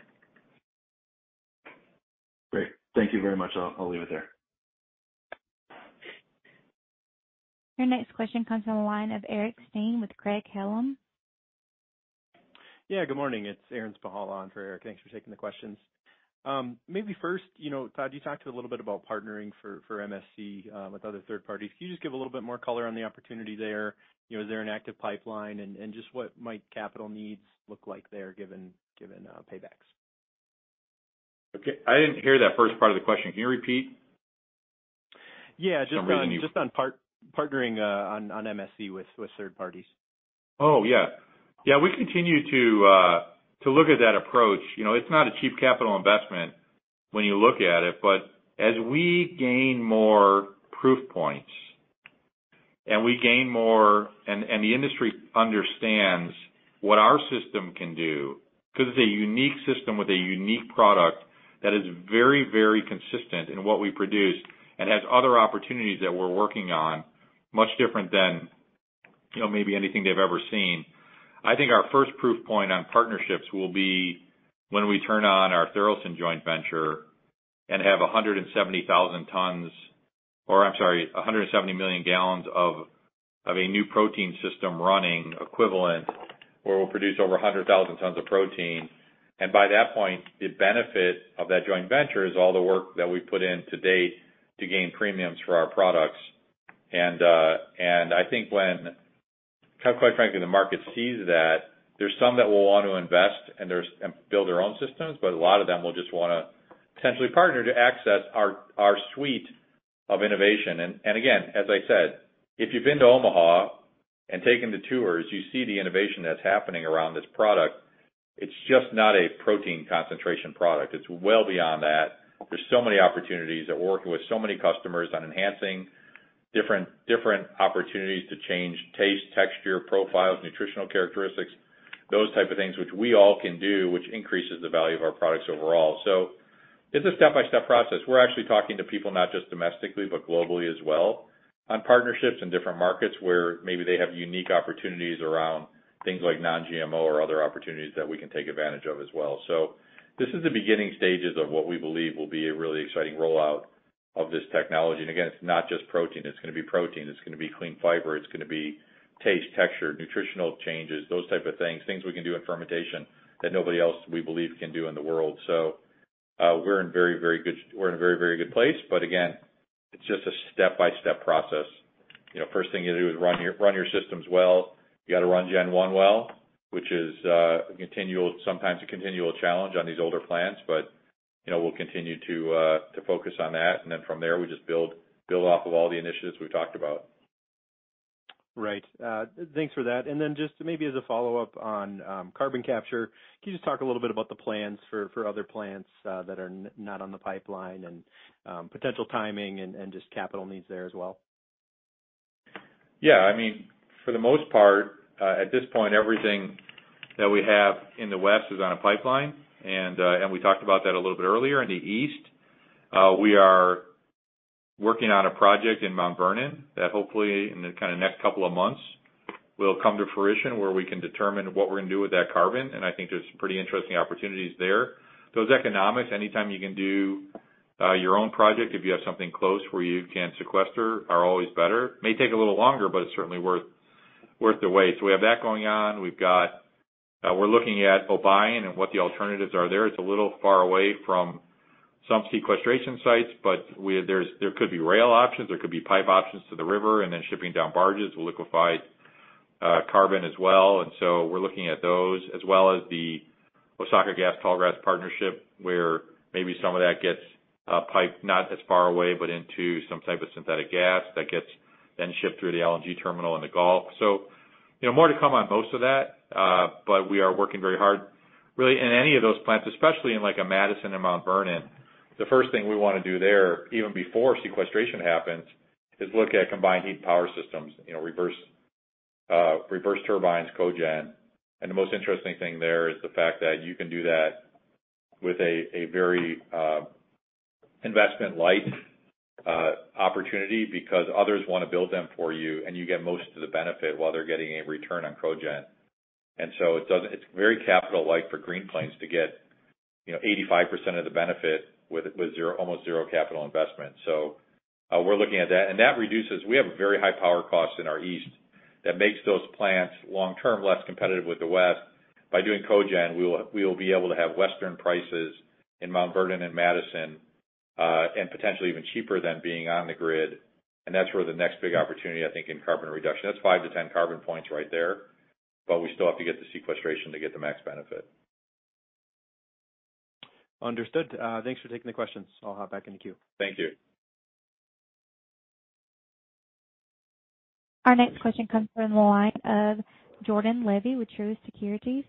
Great. Thank you very much. I'll leave it there. Your next question comes from the line of Aaron Spychalla with Craig-Hallum. Yeah, good morning. It's Aaron Spychalla on for Eric Stine. Thanks for taking the questions. Maybe first, you know, Todd Becker, you talked a little bit about partnering for MSC with other third parties. Can you just give a little bit more color on the opportunity there? You know, is there an active pipeline? Just what might capital needs look like there given paybacks? I didn't hear that first part of the question. Can you repeat? Yeah. For some reason. Just on partnering on MSC with third parties. Oh, yeah. Yeah, we continue to look at that approach. You know, it's not a cheap capital investment when you look at it, but as we gain more proof points and we gain more and the industry understands what our system can do, 'cause it's a unique system with a unique product that is very, very consistent in what we produce and has other opportunities that we're working on, much different than, you know, maybe anything they've ever seen. I think our first proof point on partnerships will be when we turn on our Tharaldson Ethanol joint venture and have 170 million gal of a new protein system running equivalent, where we'll produce over 100,000 tons of protein. By that point, the benefit of that joint venture is all the work that we put in to date to gain premiums for our products. I think when, kind of quite frankly, the market sees that, there's some that will want to invest and build their own systems, but a lot of them will just wanna potentially partner to access our suite of innovation. Again, as I said, if you've been to Omaha and taken the tours, you see the innovation that's happening around this product. It's just not a protein concentration product. It's well beyond that. There's so many opportunities that we're working with so many customers on enhancing different opportunities to change taste, texture, profiles, nutritional characteristics, those type of things which we all can do, which increases the value of our products overall. It's a step-by-step process. We're actually talking to people not just domestically, but globally as well on partnerships in different markets where maybe they have unique opportunities around things like non-GMO or other opportunities that we can take advantage of as well. This is the beginning stages of what we believe will be a really exciting rollout of this technology. Again, it's not just protein. It's gonna be protein, it's gonna be clean fiber, it's gonna be taste, texture, nutritional changes, those type of things. Things we can do in fermentation that nobody else, we believe, can do in the world. We're in a very, very good place, but again, it's just a step-by-step process. You know, first thing you do is run your systems well. You gotta run Gen-1 well, which is sometimes a continual challenge on these older plants. You know, we'll continue to focus on that. From there, we just build off of all the initiatives we've talked about. Right. thanks for that. Just maybe as a follow-up on carbon capture, can you just talk a little bit about the plans for other plants that are not on the pipeline and potential timing and just capital needs there as well? Yeah. I mean, for the most part, at this point, everything that we have in the West is on a pipeline. We talked about that a little bit earlier. In the East, we are working on a project in Mount Vernon that hopefully in the kinda next couple of months will come to fruition where we can determine what we're gonna do with that carbon. I think there's some pretty interesting opportunities there. Those economics, anytime you can do, your own project, if you have something close where you can sequester, are always better. May take a little longer, but it's certainly worth the wait. We have that going on. We're looking at Obion and what the alternatives are there. It's a little far away from some sequestration sites, there could be rail options, there could be pipe options to the river, and then shipping down barges with liquified carbon as well. We're looking at those as well as the Osaka Gas Tallgrass partnership, where maybe some of that gets piped not as far away, but into some type of synthetic gas that gets then shipped through the LNG terminal in the Gulf. You know, more to come on most of that, we are working very hard really in any of those plants, especially in like a Madison and Mount Vernon. The first thing we wanna do there, even before sequestration happens, is look at combined heat power systems, you know, reverse turbines, cogen. The most interesting thing there is the fact that you can do that with a very investment light opportunity because others wanna build them for you, and you get most of the benefit while they're getting a return on cogen. It's very capital light for Green Plains to get, you know, 85% of the benefit with almost zero capital investment. We're looking at that. We have a very high power cost in our east that makes those plants long term less competitive with the West. By doing cogen, we will be able to have Western prices in Mount Vernon and Madison and potentially even cheaper than being on the grid. That's where the next big opportunity, I think, in carbon reduction. That's 5 to 10 carbon points right there. We still have to get the sequestration to get the max benefit. Understood. Thanks for taking the questions. I'll hop back in the queue. Thank you. Our next question comes from the line of Jordan Levy with Truist Securities.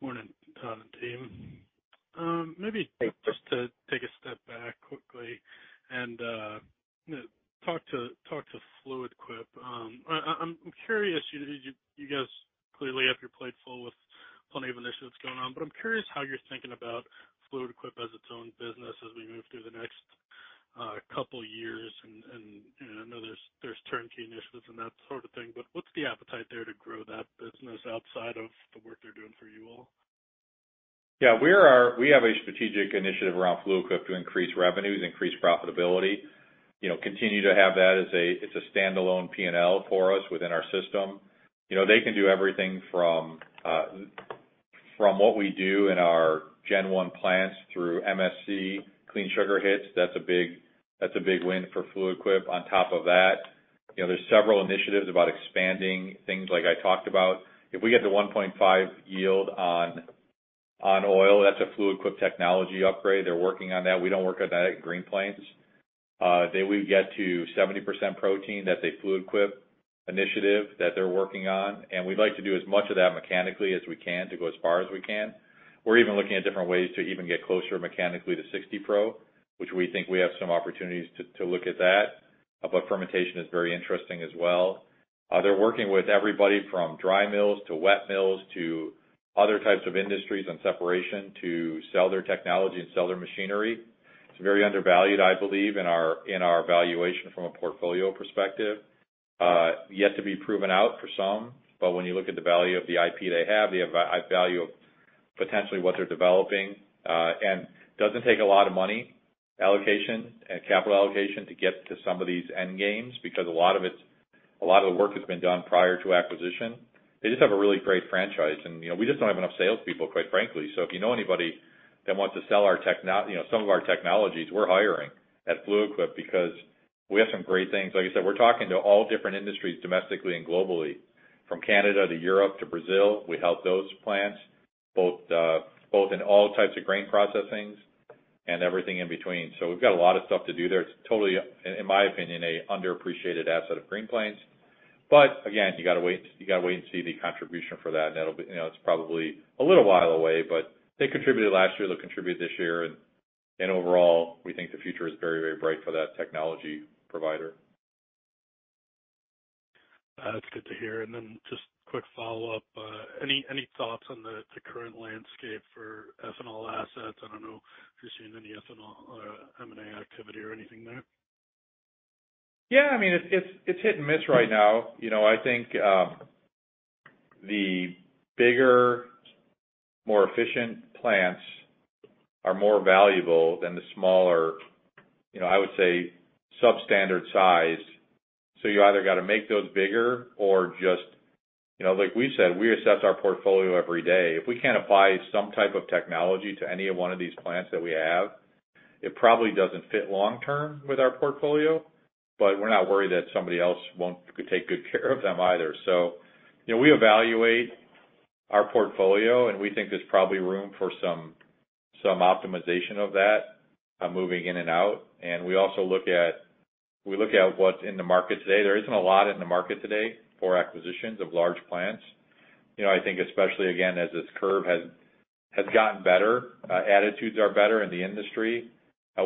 Morning, team. Maybe just to take a step back quickly and talk to Fluid Quip. I'm curious, you guys clearly have your plate full with plenty of initiatives going on, but I'm curious how you're thinking about Fluid Quip as its own business as we move through the next couple years. I know there's turnkey initiatives and that sort of thing, but what's the appetite there to grow that business outside of the work they're doing for you all? We have a strategic initiative around Fluid Quip to increase revenues, increase profitability, you know, continue to have that as a... It's a standalone P&L for us within our system. You know, they can do everything from what we do in our Gen-1 plants through MSC Clean Sugar kits. That's a big win for Fluid Quip. On top of that, you know, there's several initiatives about expanding things like I talked about. If we get to 1.5 yield on oil, that's a Fluid Quip technology upgrade. They're working on that. We don't work on that at Green Plains. Then we get to 70% protein. That's a Fluid Quip initiative that they're working on, and we'd like to do as much of that mechanically as we can to go as far as we can. We're even looking at different ways to even get closer mechanically to 60 Pro, which we think we have some opportunities to look at that. Fermentation is very interesting as well. They're working with everybody from dry mills to wet mills to other types of industries and separation to sell their technology and sell their machinery. It's very undervalued, I believe, in our, in our valuation from a portfolio perspective. Yet to be proven out for some. When you look at the value of the IP they have, the value of potentially what they're developing, and doesn't take a lot of money allocation, capital allocation to get to some of these end games, because a lot of the work has been done prior to acquisition. They just have a really great franchise. You know, we just don't have enough salespeople, quite frankly. If you know anybody that wants to sell our you know, some of our technologies, we're hiring at Fluid Quip because we have some great things. Like I said, we're talking to all different industries domestically and globally, from Canada to Europe to Brazil. We help those plants both in all types of grain processings and everything in between. We've got a lot of stuff to do there. It's totally, in my opinion, a underappreciated asset of Green Plains. Again, you gotta wait and see the contribution for that. That'll be. You know, it's probably a little while away, but they contributed last year, they'll contribute this year. Overall, we think the future is very, very bright for that technology provider. That's good to hear. Just quick follow-up. Any thoughts on the current landscape for ethanol assets? I don't know if you're seeing any ethanol M&A activity or anything there. I mean, it's hit and miss right now. You know, I think, the bigger, more efficient plants are more valuable than the smaller, you know, I would say substandard size. You either gotta make those bigger or just, you know, like we said, we assess our portfolio every day. If we can't apply some type of technology to any of one of these plants that we have, it probably doesn't fit long term with our portfolio. We're not worried that somebody else could take good care of them either. You know, we evaluate our portfolio, we think there's probably room for some optimization of that, moving in and out. We also look at what's in the market today. There isn't a lot in the market today for acquisitions of large plants. You know, I think especially again, as this curve has gotten better, attitudes are better in the industry.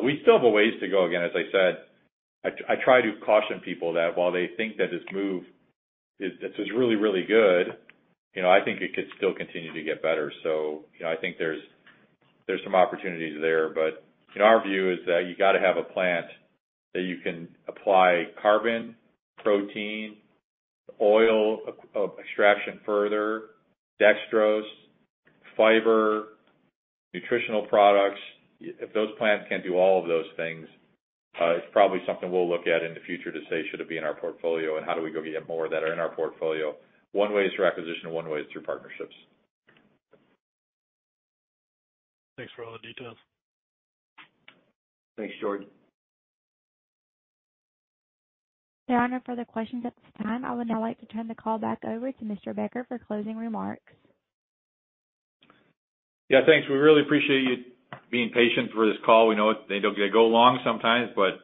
We still have a ways to go. Again, as I said, I try to caution people that while they think that this move is really, really good, you know, I think it could still continue to get better. You know, I think there's some opportunities there. In our view is that you gotta have a plant that you can apply carbon, protein, oil, extraction further, dextrose, fiber, nutritional products. If those plants can do all of those things, it's probably something we'll look at in the future to say, should it be in our portfolio and how do we go get more that are in our portfolio? One way is through acquisition, one way is through partnerships. Thanks for all the details. Thanks, Jordan. There are no further questions at this time. I would now like to turn the call back over to Mr. Becker for closing remarks. Yeah, thanks. We really appreciate you being patient for this call. We know they go long sometimes, but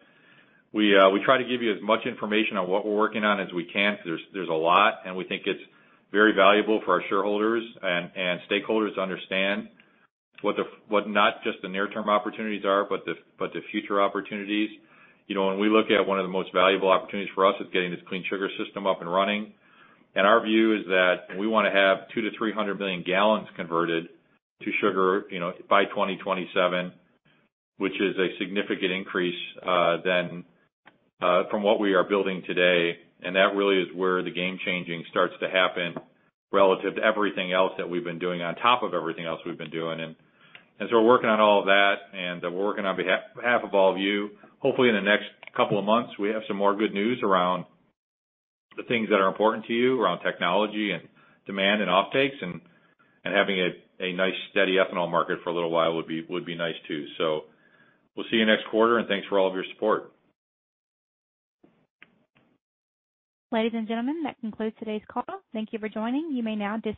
we try to give you as much information on what we're working on as we can. There's a lot, and we think it's very valuable for our shareholders and stakeholders to understand what not just the near term opportunities are, but the future opportunities. You know, when we look at one of the most valuable opportunities for us is getting this Clean Sugar System up and running. Our view is that we wanna have 200-300 million gal converted to sugar, you know, by 2027, which is a significant increase than from what we are building today. That really is where the game changing starts to happen relative to everything else that we've been doing on top of everything else we've been doing. As we're working on all of that, and we're working on behalf of all of you, hopefully in the next couple of months, we have some more good news around the things that are important to you, around technology and demand and offtakes and having a nice steady ethanol market for a little while would be, would be nice too. We'll see you next quarter, and thanks for all of your support. Ladies and gentlemen, that concludes today's call. Thank you for joining. You may now disconnect.